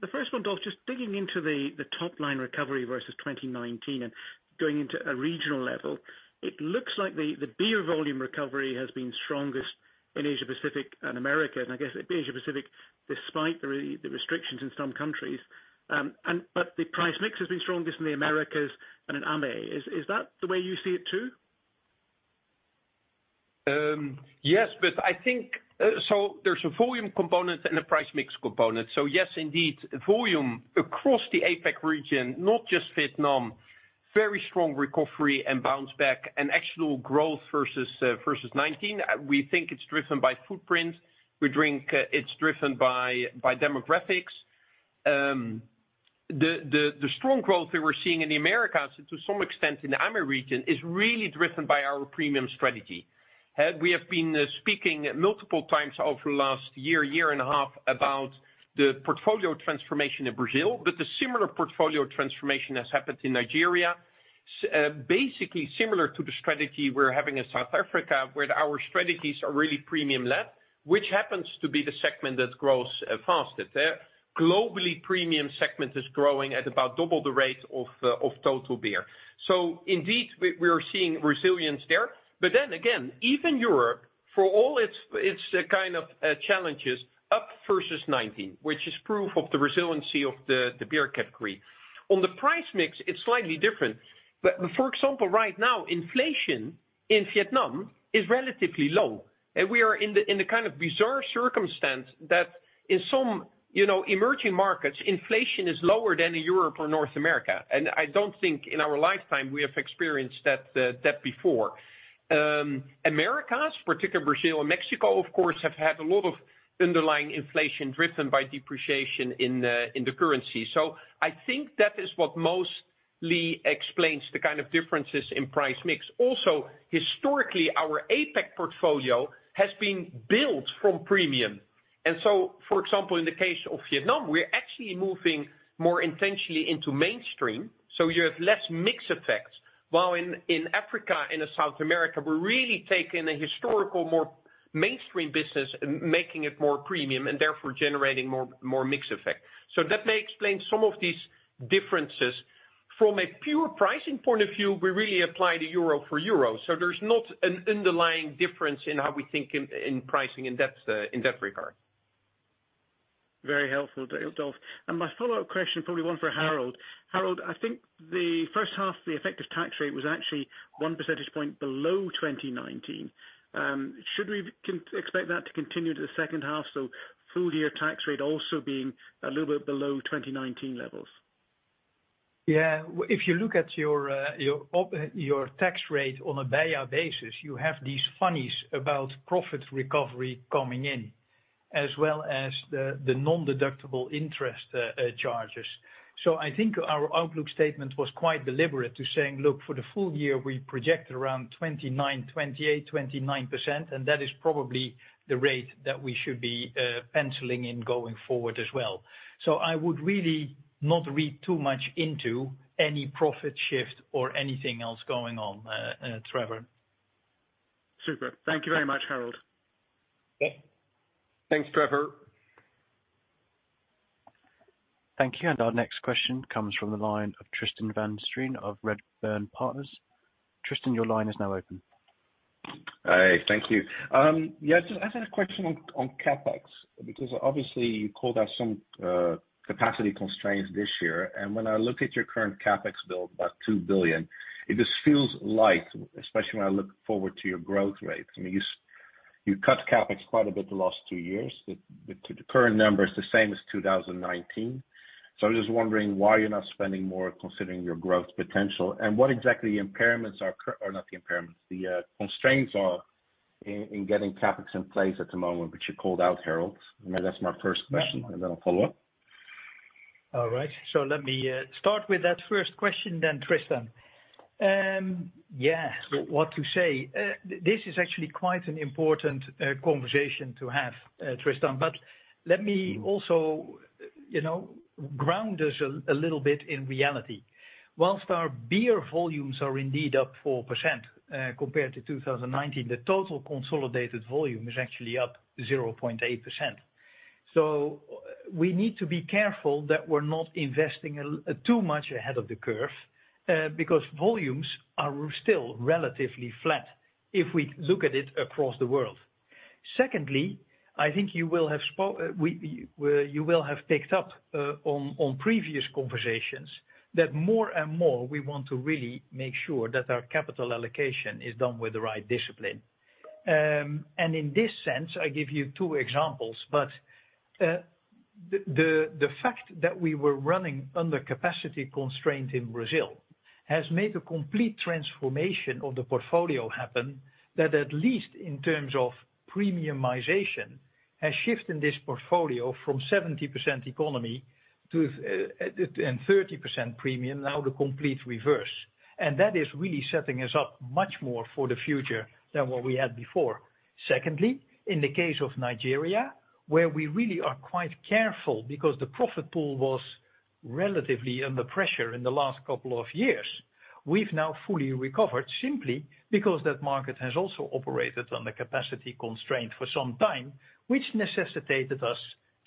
The first one, Dolf, just digging into the top line recovery versus 2019 and going into a regional level, it looks like the beer volume recovery has been strongest in Asia Pacific and Americas, and I guess Asia Pacific despite the restrictions in some countries. But the price mix has been strongest in the Americas and in AME. Is that the way you see it too? Yes, but I think there's a volume component and a price mix component. Yes, indeed, volume across the APAC region, not just Vietnam, very strong recovery and bounce back and actual growth versus 2019. We think it's driven by footprint. We think it's driven by demographics. The strong growth that we're seeing in the Americas to some extent in the AMER region is really driven by our premium strategy. We have been speaking multiple times over the last year and a half about the portfolio transformation in Brazil, but the similar portfolio transformation has happened in Nigeria. Basically similar to the strategy we're having in South Africa, where our strategies are really premium-led, which happens to be the segment that grows fastest. Globally, premium segment is growing at about double the rate of total beer. Indeed, we're seeing resilience there. Then again, even Europe for all its kind of challenges, up versus 2019, which is proof of the resiliency of the beer category. On the price mix, it's slightly different. For example, right now inflation in Vietnam is relatively low. We are in the kind of bizarre circumstance that in some, you know, emerging markets, inflation is lower than in Europe or North America. I don't think in our lifetime we have experienced that before. Americas, particularly Brazil and Mexico, of course, have had a lot of underlying inflation driven by depreciation in the currency. I think that is what mostly explains the kind of differences in price mix. Also, historically, our APAC portfolio has been built from premium. For example, in the case of Vietnam, we're actually moving more intentionally into mainstream, so you have less mix effects. While in Africa and South America, we're really taking a historical, more mainstream business and making it more premium, and therefore generating more mix effect. That may explain some of these differences. From a pure pricing point of view, we really apply the euro for euro. There's not an underlying difference in how we think in pricing in that regard. Very helpful, Dolf. My follow-up question, probably one for Harold. Harold, I think the first half of the effective tax rate was actually one percentage point below 2019. Should we expect that to continue to the second half, so full year tax rate also being a little bit below 2019 levels? Yeah. If you look at your tax rate on a beia basis, you have these funnies about provision recovery coming in, as well as the nondeductible interest charges. I think our outlook statement was quite deliberate in saying, "Look, for the full year, we project around 28%-29%," and that is probably the rate that we should be penciling in going forward as well. I would really not read too much into any profit shift or anything else going on, Trevor. Super. Thank you very much, Harold. Okay. Thanks, Trevor. Thank you. Our next question comes from the line of Tristan van Strien of Redburn Partners. Tristan, your line is now open. Hey, thank you. Yeah, I just had a question on CapEx, because obviously you called out some capacity constraints this year. When I look at your current CapEx build, about 2 billion, it just feels light, especially when I look forward to your growth rates. I mean, you cut CapEx quite a bit the last two years. The current number is the same as 2019. I'm just wondering why you're not spending more considering your growth potential, and what exactly the constraints are in getting CapEx in place at the moment, which you called out, Harold. I mean, that's my first question, and then I'll follow up. All right. Let me start with that first question then, Tristan. What to say? This is actually quite an important conversation to have, Tristan. Let me also, you know, ground us a little bit in reality. While our beer volumes are indeed up 4%, compared to 2019, the total consolidated volume is actually up 0.8%. We need to be careful that we're not investing too much ahead of the curve, because volumes are still relatively flat if we look at it across the world. Secondly, I think you will have picked up on previous conversations that more and more we want to really make sure that our capital allocation is done with the right discipline. In this sense, I give you two examples. The fact that we were running under capacity constraint in Brazil has made a complete transformation of the portfolio happen that at least in terms of premiumization, a shift in this portfolio from 70% economy to and 30% premium, now the complete reverse. That is really setting us up much more for the future than what we had before. Secondly, in the case of Nigeria, where we really are quite careful because the profit pool was relatively under pressure in the last couple of years. We've now fully recovered simply because that market has also operated on the capacity constraint for some time, which necessitated us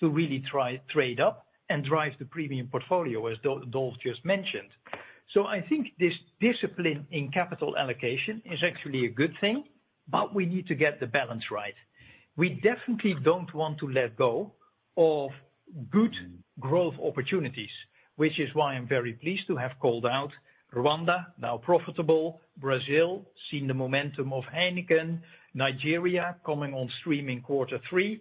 to really try trade up and drive the premium portfolio, as Dolf just mentioned. I think this discipline in capital allocation is actually a good thing, but we need to get the balance right. We definitely don't want to let go of good growth opportunities, which is why I'm very pleased to have called out Rwanda, now profitable, Brazil, seeing the momentum of Heineken, Nigeria coming on stream in quarter three.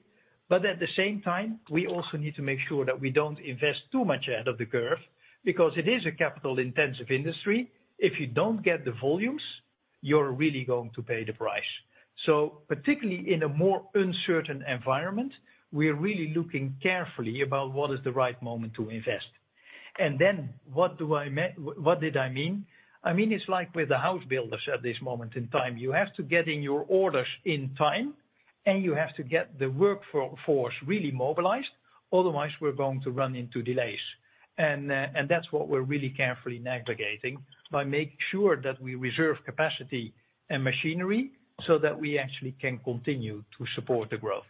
At the same time, we also need to make sure that we don't invest too much ahead of the curve because it is a capital-intensive industry. If you don't get the volumes, you're really going to pay the price. Particularly in a more uncertain environment, we are really looking carefully about what is the right moment to invest. Then what did I mean? I mean, it's like with the house builders at this moment in time, you have to get in your orders in time, and you have to get the workforce really mobilized, otherwise we're going to run into delays. That's what we're really carefully navigating by making sure that we reserve capacity and machinery so that we actually can continue to support the growth.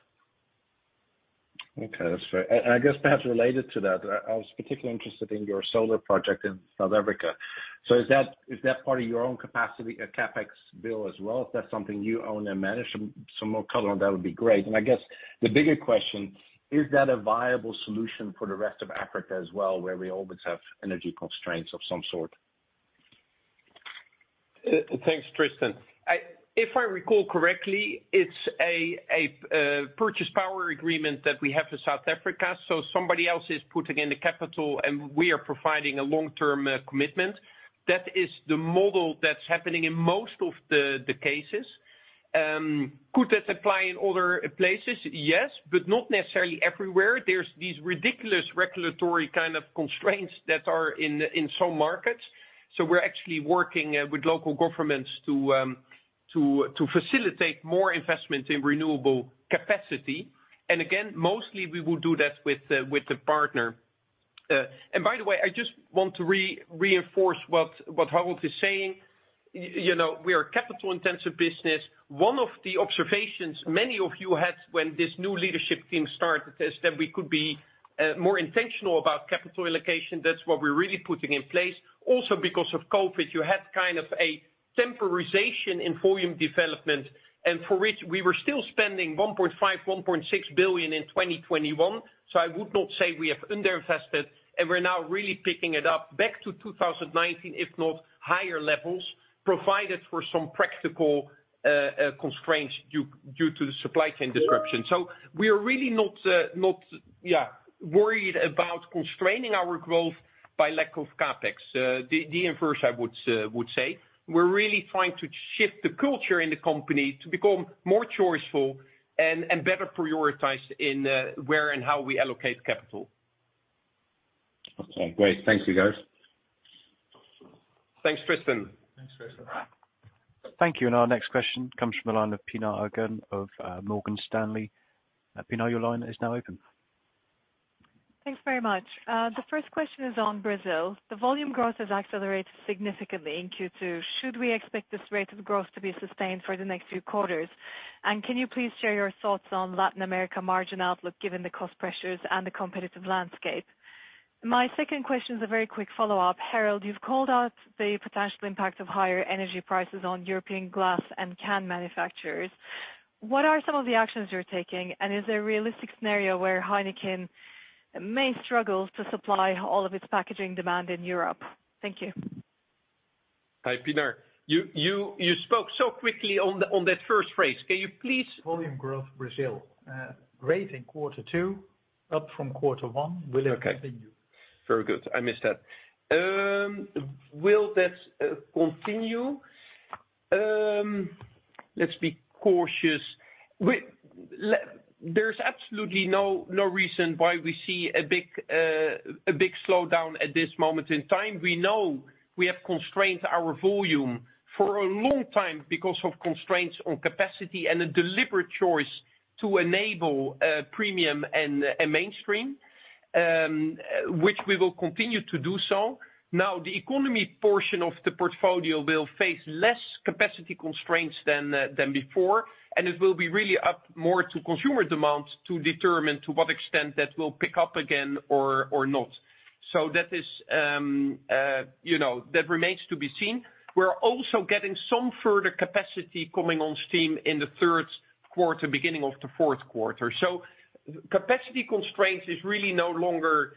Okay, that's fair. I guess perhaps related to that, I was particularly interested in your solar project in South Africa. Is that part of your own capacity, CapEx bill as well? If that's something you own and manage, some more color on that would be great. I guess the bigger question, is that a viable solution for the rest of Africa as well, where we always have energy constraints of some sort? Thanks, Tristan. If I recall correctly, it's a power purchase agreement that we have for South Africa, so somebody else is putting in the capital, and we are providing a long-term commitment. That is the model that's happening in most of the cases. Could that apply in other places? Yes, but not necessarily everywhere. There are these ridiculous regulatory kind of constraints that are in some markets. We're actually working with local governments to facilitate more investment in renewable capacity. Again, mostly we would do that with the partner. By the way, I just want to reinforce what Harold is saying. You know, we are a capital-intensive business. One of the observations many of you had when this new leadership team started is that we could be more intentional about capital allocation. That's what we're really putting in place. Also, because of COVID, you had kind of a temporization in volume development, and for which we were still spending 1.5 billion, 1.6 billion in 2021, so I would not say we have underinvested, and we're now really picking it up back to 2019, if not higher levels, provided for some practical constraints due to the supply chain disruption. We are really not worried about constraining our growth by lack of CapEx. The inverse, I would say. We're really trying to shift the culture in the company to become more choiceful and better prioritized in where and how we allocate capital. Okay, great. Thank you, guys. Thanks, Tristan. Thanks, Tristan. Thank you, and our next question comes from the line of Pinar Ergun of, Morgan Stanley. Pinar, your line is now open. Thanks very much. The first question is on Brazil. The volume growth has accelerated significantly in Q2. Should we expect this rate of growth to be sustained for the next few quarters? And can you please share your thoughts on Latin America margin outlook, given the cost pressures and the competitive landscape? My second question is a very quick follow-up. Harold, you've called out the potential impact of higher energy prices on European glass and can manufacturers. What are some of the actions you're taking, and is there a realistic scenario where Heineken may struggle to supply all of its packaging demand in Europe? Thank you. Hi, Pinar. You spoke so quickly on that first phrase. Can you please? Volume growth Brazil, great in quarter two, up from quarter one. Will it continue? Very good. I missed that. Will that continue? Let's be cautious. There's absolutely no reason why we see a big slowdown at this moment in time. We know we have constrained our volume for a long time because of constraints on capacity and a deliberate choice to enable premium and mainstream, which we will continue to do so. Now, the economy portion of the portfolio will face less capacity constraints than before, and it will be really up more to consumer demand to determine to what extent that will pick up again or not. That is, you know, that remains to be seen. We're also getting some further capacity coming on stream in the third quarter, beginning of the fourth quarter. Capacity constraints is really no longer,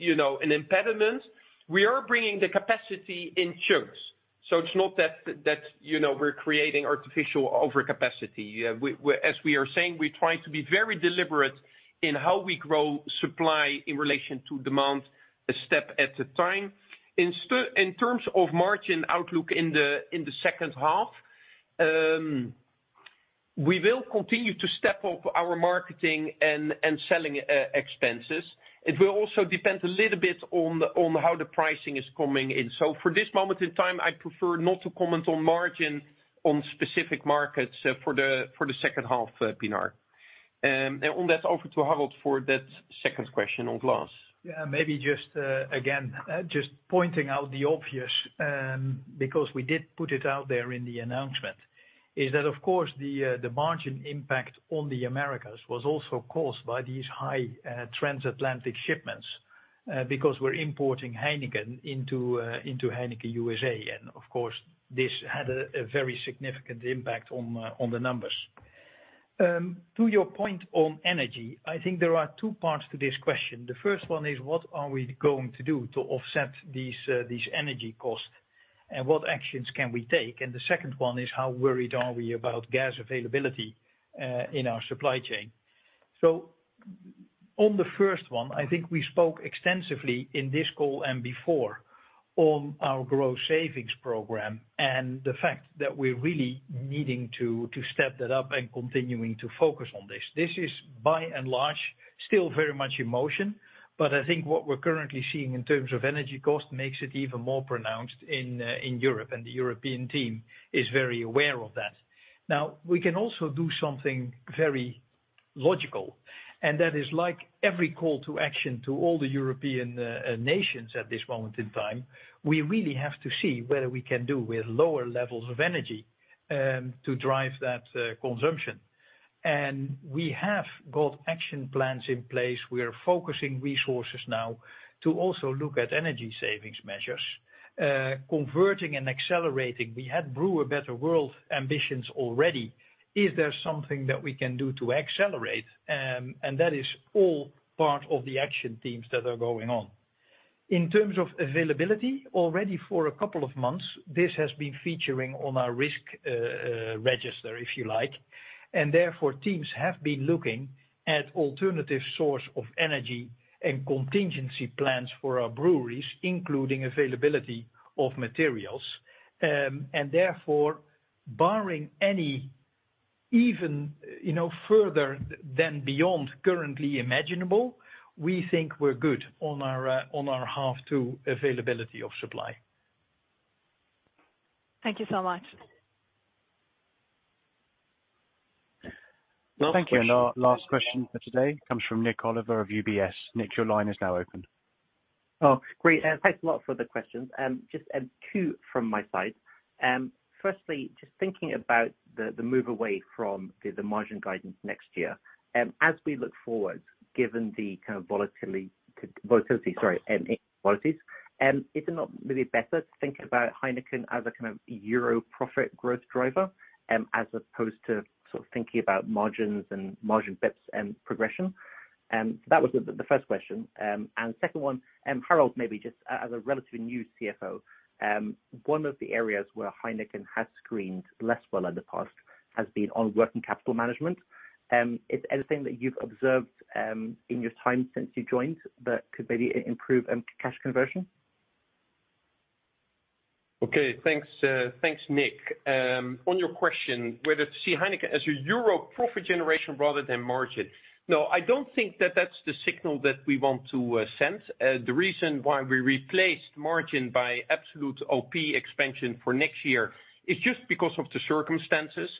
you know, an impediment. We are bringing the capacity in chunks, so it's not that you know we're creating artificial overcapacity. As we are saying, we're trying to be very deliberate in how we grow supply in relation to demand a step at a time. In terms of margin outlook in the second half, we will continue to step up our marketing and selling expenses. It will also depend a little bit on how the pricing is coming in. For this moment in time, I'd prefer not to comment on margin on specific markets for the second half, Pinar. On that, over to Harold for that second question on glass. Yeah, maybe just again just pointing out the obvious, because we did put it out there in the announcement, is that of course the margin impact on the Americas was also caused by these high transatlantic shipments, because we're importing Heineken into Heineken USA. Of course, this had a very significant impact on the numbers. To your point on energy, I think there are two parts to this question. The first one is what are we going to do to offset these energy costs, and what actions can we take? The second one is how worried are we about gas availability in our supply chain? On the first one, I think we spoke extensively in this call and before on our growth savings program and the fact that we're really needing to step that up and continuing to focus on this. This is by and large still very much in motion. I think what we're currently seeing in terms of energy cost makes it even more pronounced in Europe, and the European team is very aware of that. Now, we can also do something very logical, and that is like every call to action to all the European nations at this moment in time, we really have to see whether we can do with lower levels of energy to drive that consumption. We have got action plans in place. We are focusing resources now to also look at energy savings measures, converting and accelerating. We had Brew a Better World ambitions already. Is there something that we can do to accelerate? That is all part of the action teams that are going on. In terms of availability, already for a couple of months, this has been featuring on our risk register, if you like, and therefore, teams have been looking at alternative source of energy and contingency plans for our breweries, including availability of materials. Therefore, barring any event, you know, further than beyond currently imaginable, we think we're good on our path to availability of supply. Thank you so much. Thank you. Our last question for today comes from Olivier Nicolai of UBS. Nick, your line is now open. Oh, great. Thanks a lot for the questions. Just two from my side. Firstly, just thinking about the move away from the margin guidance next year. As we look forward, given the kind of volatility, sorry, is it not really better to think about Heineken as a kind of euro profit growth driver, as opposed to sort of thinking about margins and margin bits and progression? That was the first question. Second one, Harold, maybe just as a relatively new CFO, one of the areas where Heineken has screened less well in the past has been on working capital management. Is it anything that you've observed in your time since you joined that could maybe improve cash conversion? Okay, thanks, Nick. On your question, whether to see Heineken as a euro profit generation rather than margin. No, I don't think that's the signal that we want to send. The reason why we replaced margin by absolute OP expansion for next year is just because of the circumstances.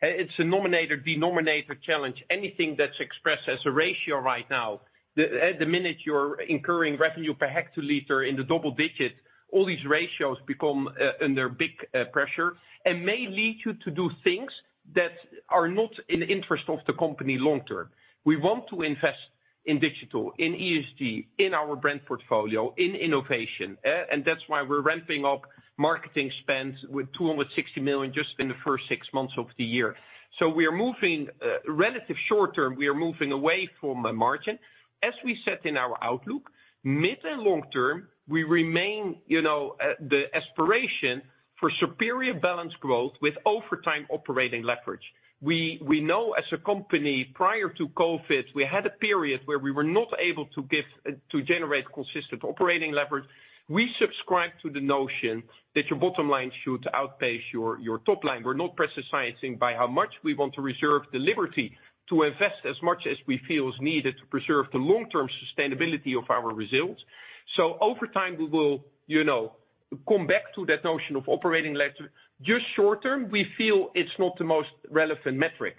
It's a nominator, denominator challenge. Anything that's expressed as a ratio right now, the minute you're incurring revenue per hectoliter in the double digits, all these ratios become under big pressure and may lead you to do things that are not in the interest of the company long term. We want to invest in digital, in ESG, in our brand portfolio, in innovation. That's why we're ramping up marketing spends with 260 million just in the first six months of the year. Relative short term, we are moving away from the margin. As we set in our outlook, mid and long term, we remain the aspiration for superior balanced growth with over time operating leverage. We know as a company, prior to COVID, we had a period where we were not able to generate consistent operating leverage. We subscribe to the notion that your bottom line should outpace your top line. We're not prescribing by how much we want to reserve the liberty to invest as much as we feel is needed to preserve the long-term sustainability of our results. Over time, we will come back to that notion of operating leverage. Just short term, we feel it's not the most relevant metric.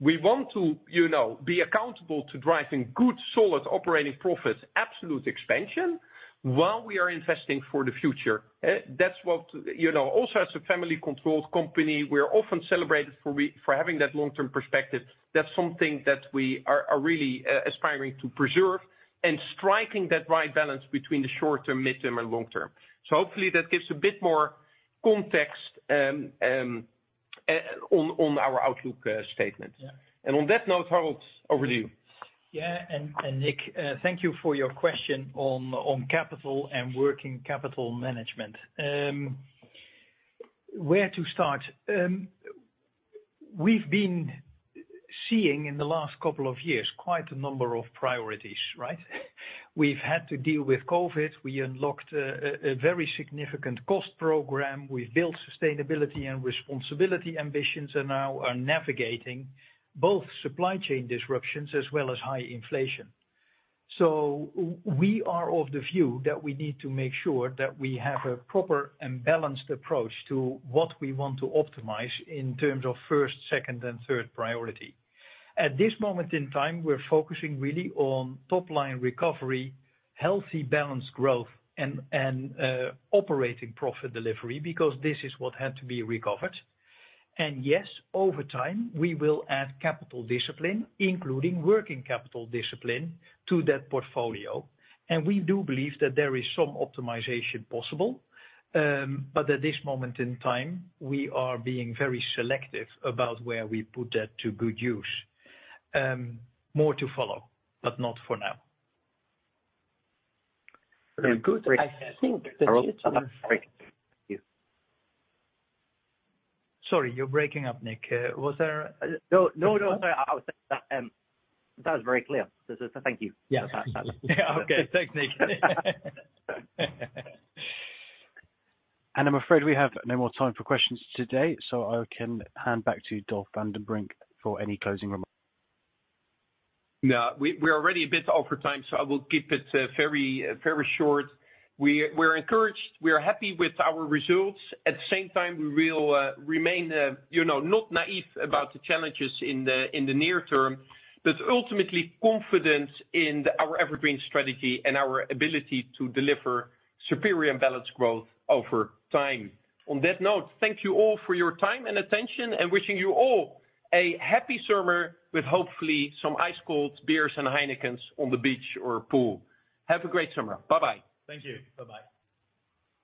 We want to, you know, be accountable to driving good, solid operating profits, absolute expansion, while we are investing for the future. That's what, you know, also as a family-controlled company, we're often celebrated for having that long-term perspective. That's something that we are really aspiring to preserve and striking that right balance between the short-term, midterm, and long term. Hopefully that gives a bit more context on our outlook statement. Yeah. On that note, Harold, over to you. Nick, thank you for your question on capital and working capital management. Where to start? We've been seeing in the last couple of years quite a number of priorities, right? We've had to deal with COVID. We unlocked a very significant cost program. We've built sustainability and responsibility ambitions and now are navigating both supply chain disruptions as well as high inflation. We are of the view that we need to make sure that we have a proper and balanced approach to what we want to optimize in terms of first, second, and third priority. At this moment in time, we're focusing really on top-line recovery, healthy balanced growth and operating profit delivery because this is what had to be recovered. Yes, over time, we will add capital discipline, including working capital discipline to that portfolio. We do believe that there is some optimization possible. At this moment in time, we are being very selective about where we put that to good use. More to follow, but not for now. Very good. I think that's it on my side. Thank you. Sorry, you're breaking up, Nick. Was there- No, no. Sorry. That was very clear. Thank you. Yeah. That's absolutely. Yeah. Okay. Thanks, Nick. I'm afraid we have no more time for questions today, so I can hand back to Dolf van den Brink for any closing remarks. Yeah. We're already a bit over time, so I will keep it very short. We're encouraged. We are happy with our results. At the same time, we will remain, you know, not naive about the challenges in the near term, but ultimately confident in our EverGreen strategy and our ability to deliver superior and balanced growth over time. On that note, thank you all for your time and attention, and wishing you all a happy summer with hopefully some ice-cold beers and Heinekens on the beach or pool. Have a great summer. Bye-bye. Thank you. Bye-bye.